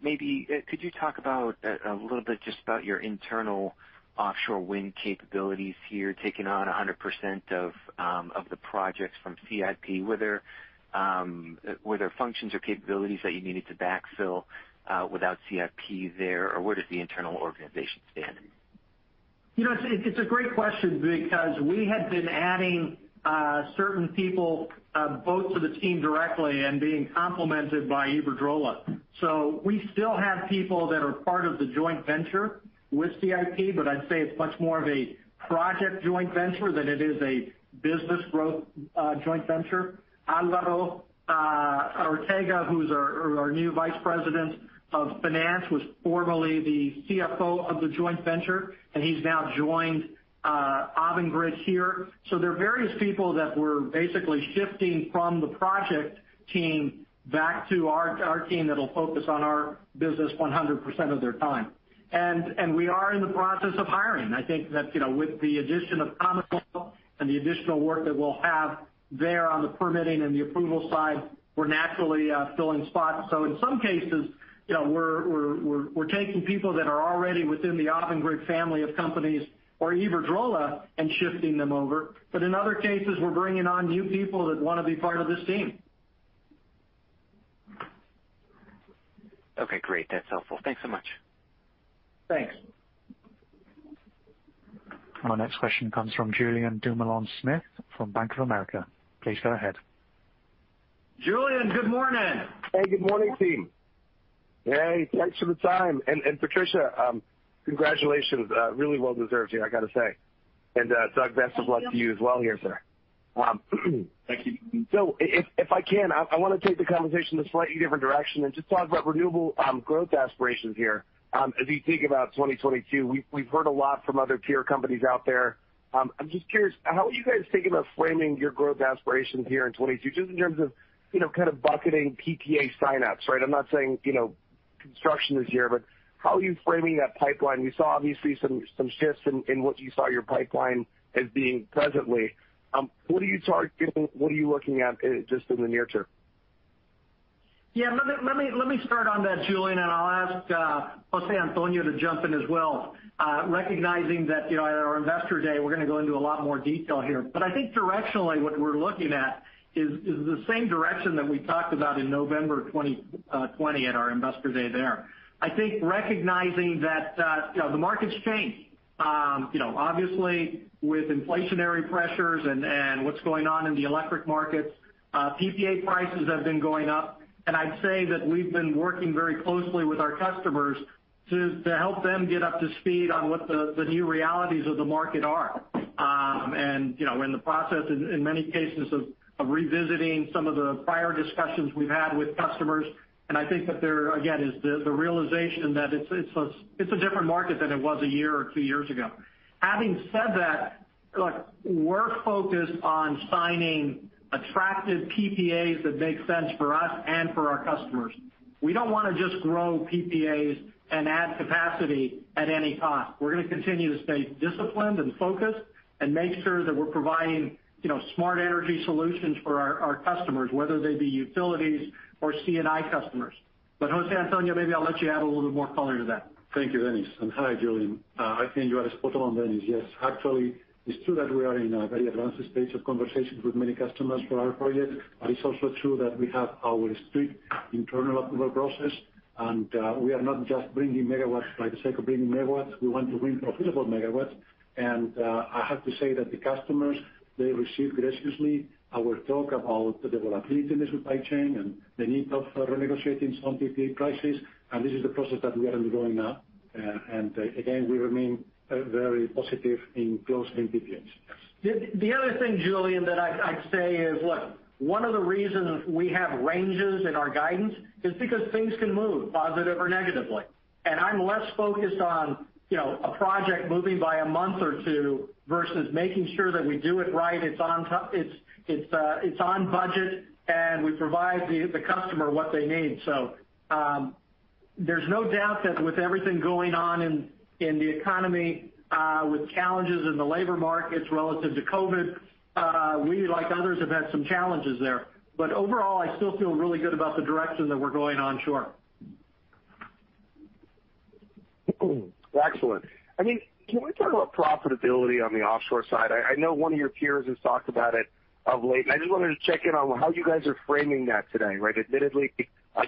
Maybe could you talk about a little bit just about your internal offshore wind capabilities here, taking on 100% of the projects from CIP? Were there functions or capabilities that you needed to backfill without CIP there? Or where does the internal organization stand? You know, it's a great question because we had been adding certain people both to the team directly and being complemented by Iberdrola. We still have people that are part of the joint venture with CIP, but I'd say it's much more of a project joint venture than it is a business growth joint venture. Álvaro Ortega, who's our new Vice President of Finance, was formerly the CFO of the joint venture, and he's now joined Avangrid here. There are various people that we're basically shifting from the project team back to our team that'll focus on our business 100% of their time. We are in the process of hiring. I think that you know, with the addition of Commonwealth and the additional work that we'll have there on the permitting and the approval side, we're naturally filling spots so in some cases you know we're we're taking people that are already within the Avangrid family of companies or Iberdrola and shifting them over but in other cases we're bringing on new people that want to be part of this team. Okay, great. That's helpful. Thanks so much. Thanks. Our next question comes from Julien Dumoulin-Smith from Bank of America. Please go ahead. Julien, good morning. Hey, good morning, team. Hey, thanks for the time. Patricia, congratulations. Really well deserved here, I gotta say. Doug, best of luck to you as well here, sir. Thank you. If I can, I wanna take the conversation in a slightly different direction and just talk about renewable growth aspirations here. As you think about 2022, we've heard a lot from other peer companies out there. I'm just curious, how are you guys thinking about framing your growth aspirations here in 2022, just in terms of, you know, kind of bucketing PPA sign-ups, right? I'm not saying, you know, construction this year, but how are you framing that pipeline? We saw obviously some shifts in what you saw your pipeline as being presently. What are you targeting? What are you looking at in just the near term? Yeah. Let me start on that, Julien, and I'll ask José Antonio to jump in as well, recognizing that, you know, at our Investor Day, we're gonna go into a lot more detail here. I think directionally, what we're looking at is the same direction that we talked about in November 2020 at our Investor Day there. I think, recognizing that, you know, the market's changed. You know, obviously with inflationary pressures and what's going on in the electric markets, PPA prices have been going up. I'd say that we've been working very closely with our customers to help them get up to speed on what the new realities of the market are. You know, in the process in many cases of revisiting some of the prior discussions we've had with customers, and I think that there again is the realization that it's a different market than it was a year or two years ago. Having said that, look, we're focused on signing attractive PPAs that make sense for us and for our customers. We don't wanna just grow PPAs and add capacity at any cost. We're gonna continue to stay disciplined and focused and make sure that we're providing, you know, smart energy solutions for our customers, whether they be utilities or C&I customers. José Antonio, maybe I'll let you add a little bit more color to that. Thank you, Dennis. Hi, Julien. I think you are spot on, Dennis. Yes. Actually, it's true that we are in a very advanced stage of conversations with many customers for our projects, but it's also true that we have our strict internal approval process, and we are not just bringing megawatts for the sake of bringing megawatts. We want to bring profitable megawatts. I have to say that the customers, they receive graciously our talk about the volatility in the supply chain and the need of renegotiating some PPA prices. This is a process that we are undergoing now. Again, we remain very positive in closing PPAs. The other thing, Julien, that I'd say is, look, one of the reasons we have ranges in our guidance is because things can move positive or negatively. I'm less focused on, you know, a project moving by a month or two versus making sure that we do it right, it's on budget, and we provide the customer what they need. There's no doubt that with everything going on in the economy, with challenges in the labor markets relative to COVID, we, like others, have had some challenges there. But overall, I still feel really good about the direction that we're going onshore. Excellent. I mean, can we talk about profitability on the offshore side? I know one of your peers has talked about it of late, and I just wanted to check in on how you guys are framing that today, right? Admittedly,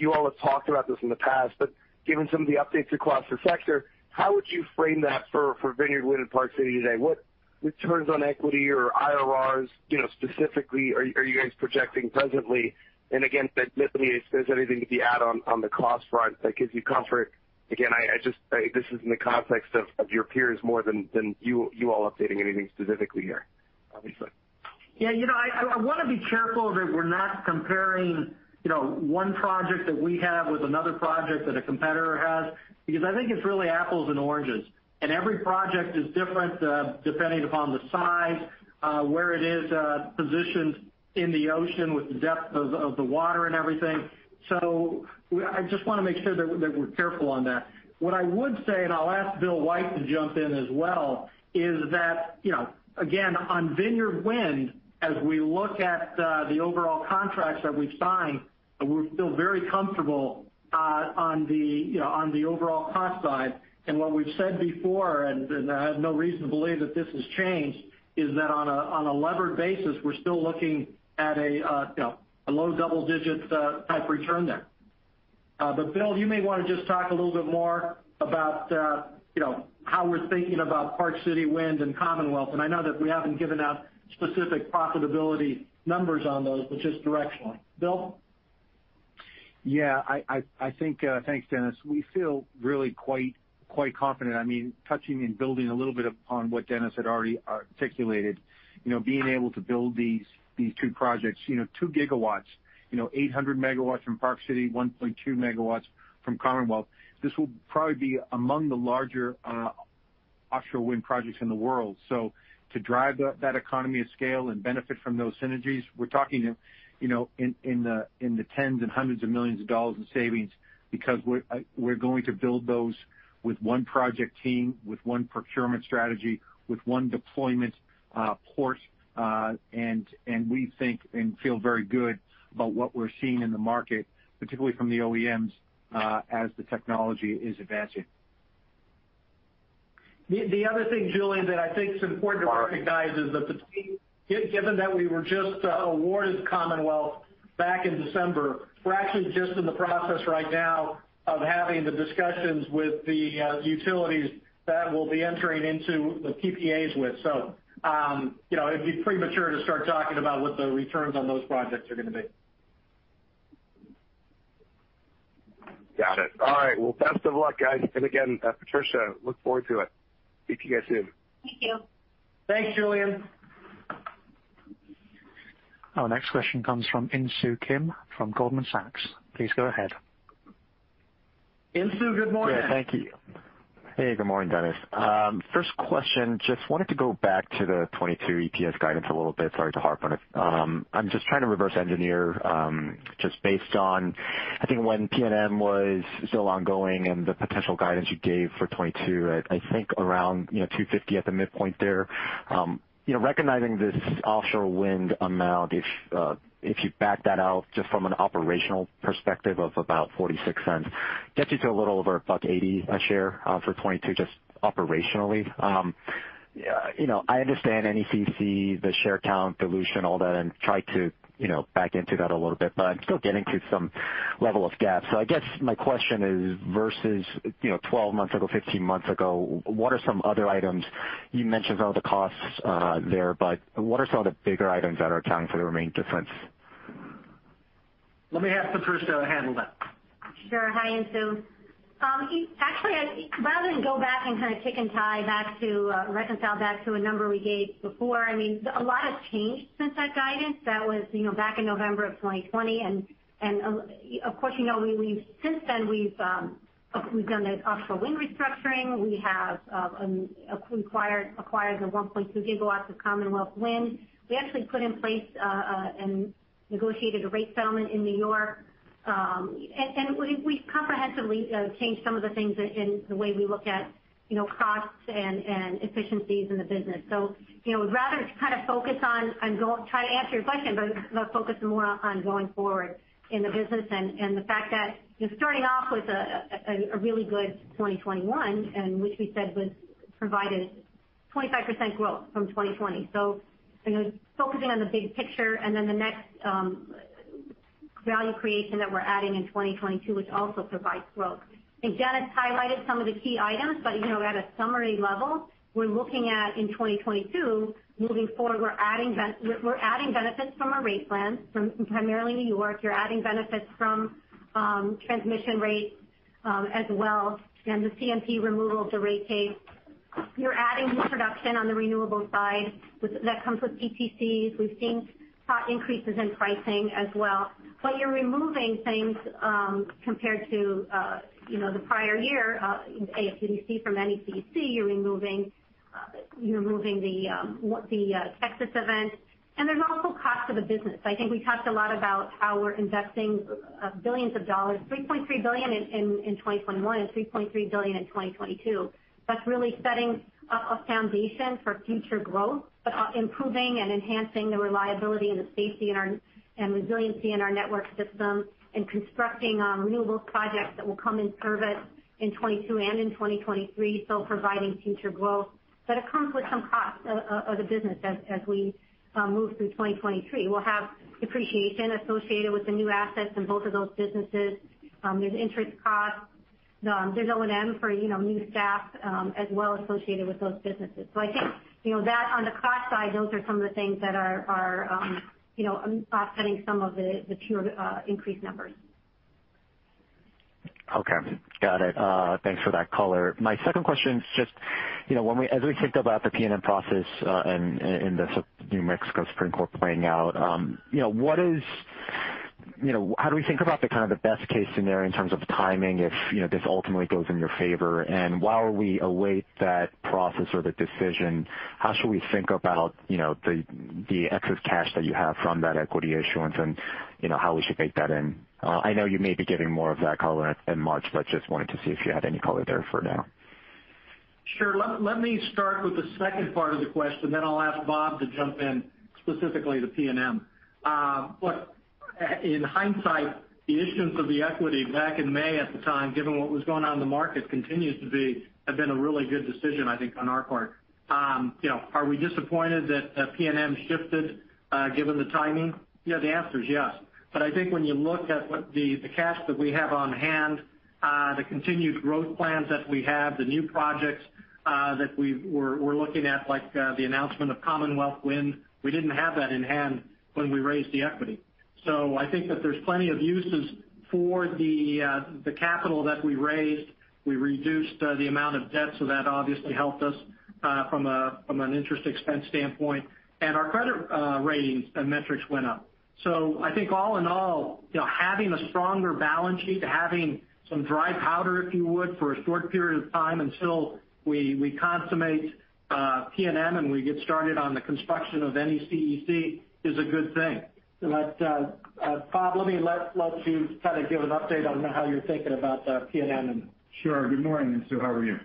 you all have talked about this in the past, but given some of the updates across the sector, how would you frame that for Vineyard Wind and Park City today? What returns on equity or IRRs, you know, specifically are you guys projecting presently? And again, admittedly, if there's anything you could add on the cost front that gives you comfort. Again, I just, this is in the context of your peers more than you all updating anything specifically here, obviously. Yeah, you know, I wanna be careful that we're not comparing, you know, one project that we have with another project that a competitor has, because I think it's really apples and oranges, and every project is different, depending upon the size, where it is, positioned in the ocean with the depth of the water and everything. I just wanna make sure that we're careful on that. What I would say, and I'll ask Bill White to jump in as well, is that, you know, again, on Vineyard Wind, as we look at the overall contracts that we've signed, we feel very comfortable on the overall cost side. What we've said before, and I have no reason to believe that this has changed, is that on a levered basis, we're still looking at a, you know, a low double digits type return there. But Bill, you may wanna just talk a little bit more about, you know, how we're thinking about Park City Wind and Commonwealth Wind. I know that we haven't given out specific profitability numbers on those, but just directionally. Bill? Yeah. I think. Thanks, Dennis. We feel really quite confident. I mean, touching and building a little bit upon what Dennis had already articulated, you know, being able to build these two projects, you know, 2 GW, you know, 800 MW from Park City, 1.2 MW from Commonwealth. This will probably be among the larger offshore wind projects in the world. To drive that economy of scale and benefit from those synergies, we're talking, you know, in the tens and hundreds of millions of dollars in savings because we're going to build those with one project team, with one procurement strategy, with one deployment port, and we think and feel very good about what we're seeing in the market, particularly from the OEMs, as the technology is advancing. The other thing, Julien, that I think is important to recognize is that the team given that we were just awarded Commonwealth Wind back in December, we're actually just in the process right now of having the discussions with the utilities that we'll be entering into the PPAs with. You know, it'd be premature to start talking about what the returns on those projects are gonna be. Got it. All right. Well, best of luck, guys. Again, Patricia, I look forward to it. Speak to you guys soon. Thank you. Thanks, Julien. Our next question comes from Insoo Kim from Goldman Sachs. Please go ahead. Insoo, good morning. Yeah. Thank you. Hey, good morning, Dennis. First question, just wanted to go back to the 2022 EPS guidance a little bit. Sorry to harp on it. I'm just trying to reverse engineer, just based on, I think when PNM was still ongoing and the potential guidance you gave for 2022 at I think around, you know, $2.50 at the midpoint there. You know, recognizing this offshore wind amount, if you back that out just from an operational perspective of about $0.46, gets you to a little over $1.80 a share, for 2022, just operationally. You know, I understand NECEC, the share count dilution, all that, and try to, you know, back into that a little bit, but I'm still getting to some level of gap. I guess my question is, versus, you know, 12 months ago, 15 months ago, what are some other items? You mentioned all the costs there, but what are some of the bigger items that are accounting for the remaining difference? Let me have Patricia handle that. Sure. Hi, Insoo. Actually, I'd rather not go back and kinda tick and tie back to reconcile back to a number we gave before. I mean, a lot has changed since that guidance. That was, you know, back in November of 2020. Of course, you know, since then, we've done the offshore wind restructuring. We have acquired the 1.2 GW of Commonwealth Wind. We actually put in place and negotiated a rate settlement in New York. We've comprehensively changed some of the things in the way we look at, you know, costs and efficiencies in the business. You know, rather to kind of focus on try to answer your question, but let's focus more on going forward in the business and the fact that, you know, starting off with a really good 2021 and which we said was provided 25% growth from 2020. You know, focusing on the big picture and then the next value creation that we're adding in 2022, which also provides growth. I think Dennis highlighted some of the key items, but you know, at a summary level, we're looking at in 2022, moving forward, we're adding benefits from our rate plans from primarily New York. We're adding benefits from transmission rates as well, and the CMP removal of the rate case. We're adding new production on the renewables side that comes with PTCs. We've seen hot increases in pricing as well. You're removing things compared to the prior year, AFUDC from NECEC. You're removing the Texas event. There's also cost of the business. I think we talked a lot about how we're investing billions of dollars, $3.3 billion in 2021 and $3.3 billion in 2022. That's really setting up a foundation for future growth, improving and enhancing the reliability and the safety and resiliency in our network system and constructing renewable projects that will come into service in 2022 and in 2023, so providing future growth. It comes with some costs of the business as we move through 2023. We'll have depreciation associated with the new assets in both of those businesses. There's interest costs. There's O&M for, you know, new staff, as well associated with those businesses. I think, you know, that on the cost side, those are some of the things that are, you know, offsetting some of the pure increased numbers. Okay. Got it. Thanks for that color. My second question is just, you know, as we think about the PNM process, and the New Mexico Supreme Court playing out, you know, what is, you know, how do we think about the kind of the best case scenario in terms of timing if, you know, this ultimately goes in your favor? And while we await that process or the decision, how should we think about, you know, the excess cash that you have from that equity issuance and, you know, how we should bake that in? I know you may be giving more of that color in March, but just wanted to see if you had any color there for now. Sure. Let me start with the second part of the question, then I'll ask Bob to jump in, specifically the PNM. Look, in hindsight, the issuance of the equity back in May at the time, given what was going on in the market, continues to have been a really good decision, I think, on our part. You know, are we disappointed that PNM shifted, given the timing? You know, the answer is yes. I think when you look at what the cash that we have on hand, the continued growth plans that we have, the new projects that we're looking at, like the announcement of Commonwealth Wind, we didn't have that in hand when we raised the equity. I think that there's plenty of uses for the capital that we raised. We reduced the amount of debt, so that obviously helped us from an interest expense standpoint. Our credit ratings and metrics went up. I think all in all, you know, having a stronger balance sheet, having some dry powder, if you would, for a short period of time until we consummate PNM and we get started on the construction of NECEC is a good thing. Bob, let me let you kind of give an update on how you're thinking about PNM and- Sure. Good morning, Insoo. How are you?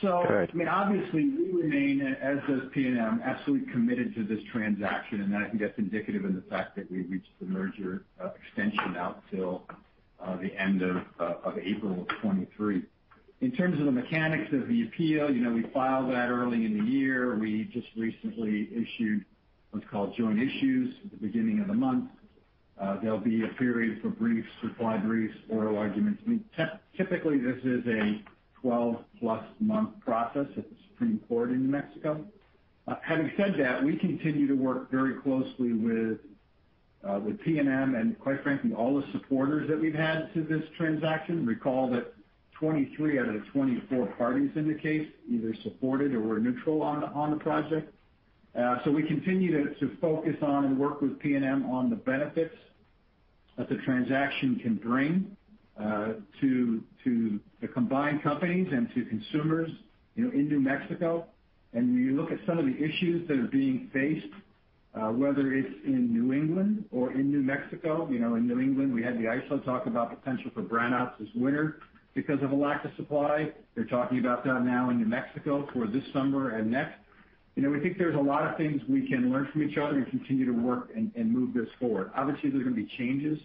Good. I mean, obviously we remain, as does PNM, absolutely committed to this transaction, and I think that's indicative in the fact that we reached the merger extension out till the end of April of 2023. In terms of the mechanics of the appeal, you know, we filed that early in the year. We just recently issued what's called joint issues at the beginning of the month. There'll be a period for briefs, reply briefs, oral arguments. I mean, typically this is a 12+ month process at the New Mexico Supreme Court. Having said that, we continue to work very closely with PNM and quite frankly, all the supporters that we've had to this transaction. Recall that 23 out of the 24 parties in the case either supported or were neutral on the project. We continue to focus on and work with PNM on the benefits that the transaction can bring to the combined companies and to consumers, you know, in New Mexico. When you look at some of the issues that are being faced, whether it's in New England or in New Mexico, you know, in New England, we had the ISO talk about potential for brownouts this winter because of a lack of supply. They're talking about that now in New Mexico for this summer and next. You know, we think there's a lot of things we can learn from each other and continue to work and move this forward. Obviously, there are gonna be changes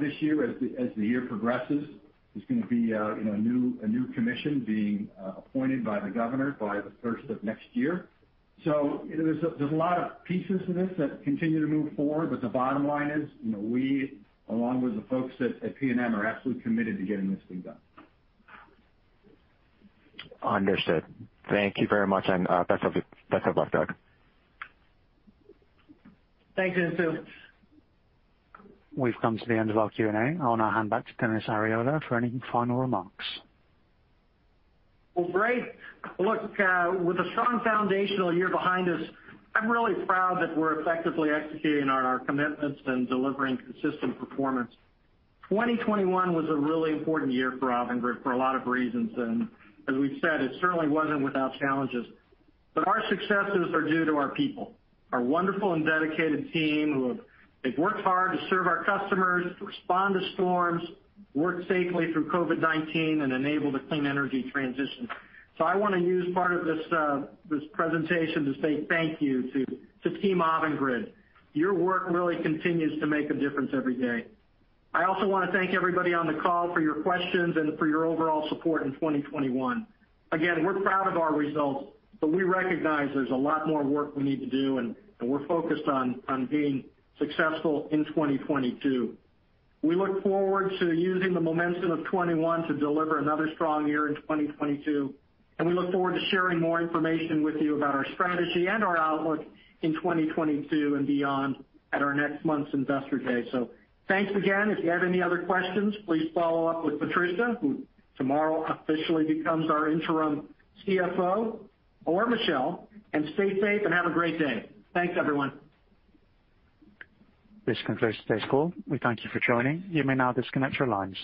this year as the year progresses. There's gonna be a, you know, a new commission being appointed by the governor by the first of next year. You know, there's a lot of pieces to this that continue to move forward, but the bottom line is, you know, we, along with the folks at PNM, are absolutely committed to getting this thing done. Understood. Thank you very much, and best of luck, Doug. Thanks, Insoo. We've come to the end of our Q&A. I'll now hand back to Dennis Arriola for any final remarks. Well, great. Look, with a strong foundational year behind us, I'm really proud that we're effectively executing on our commitments and delivering consistent performance. 2021 was a really important year for Avangrid for a lot of reasons, and as we've said, it certainly wasn't without challenges. Our successes are due to our people, our wonderful and dedicated team who have worked hard to serve our customers, to respond to storms, work safely through COVID-19, and enable the clean energy transition. I wanna use part of this presentation to say thank you to Team Avangrid. Your work really continues to make a difference every day. I also wanna thank everybody on the call for your questions and for your overall support in 2021. Again, we're proud of our results, but we recognize there's a lot more work we need to do, and we're focused on being successful in 2022. We look forward to using the momentum of 2021 to deliver another strong year in 2022, and we look forward to sharing more information with you about our strategy and our outlook in 2022 and beyond at our next month's Investor Day. Thanks again. If you have any other questions, please follow up with Patricia, who tomorrow officially becomes our interim CFO, or Michelle, and stay safe and have a great day. Thanks, everyone. This concludes today's call. We thank you for joining. You may now disconnect your lines.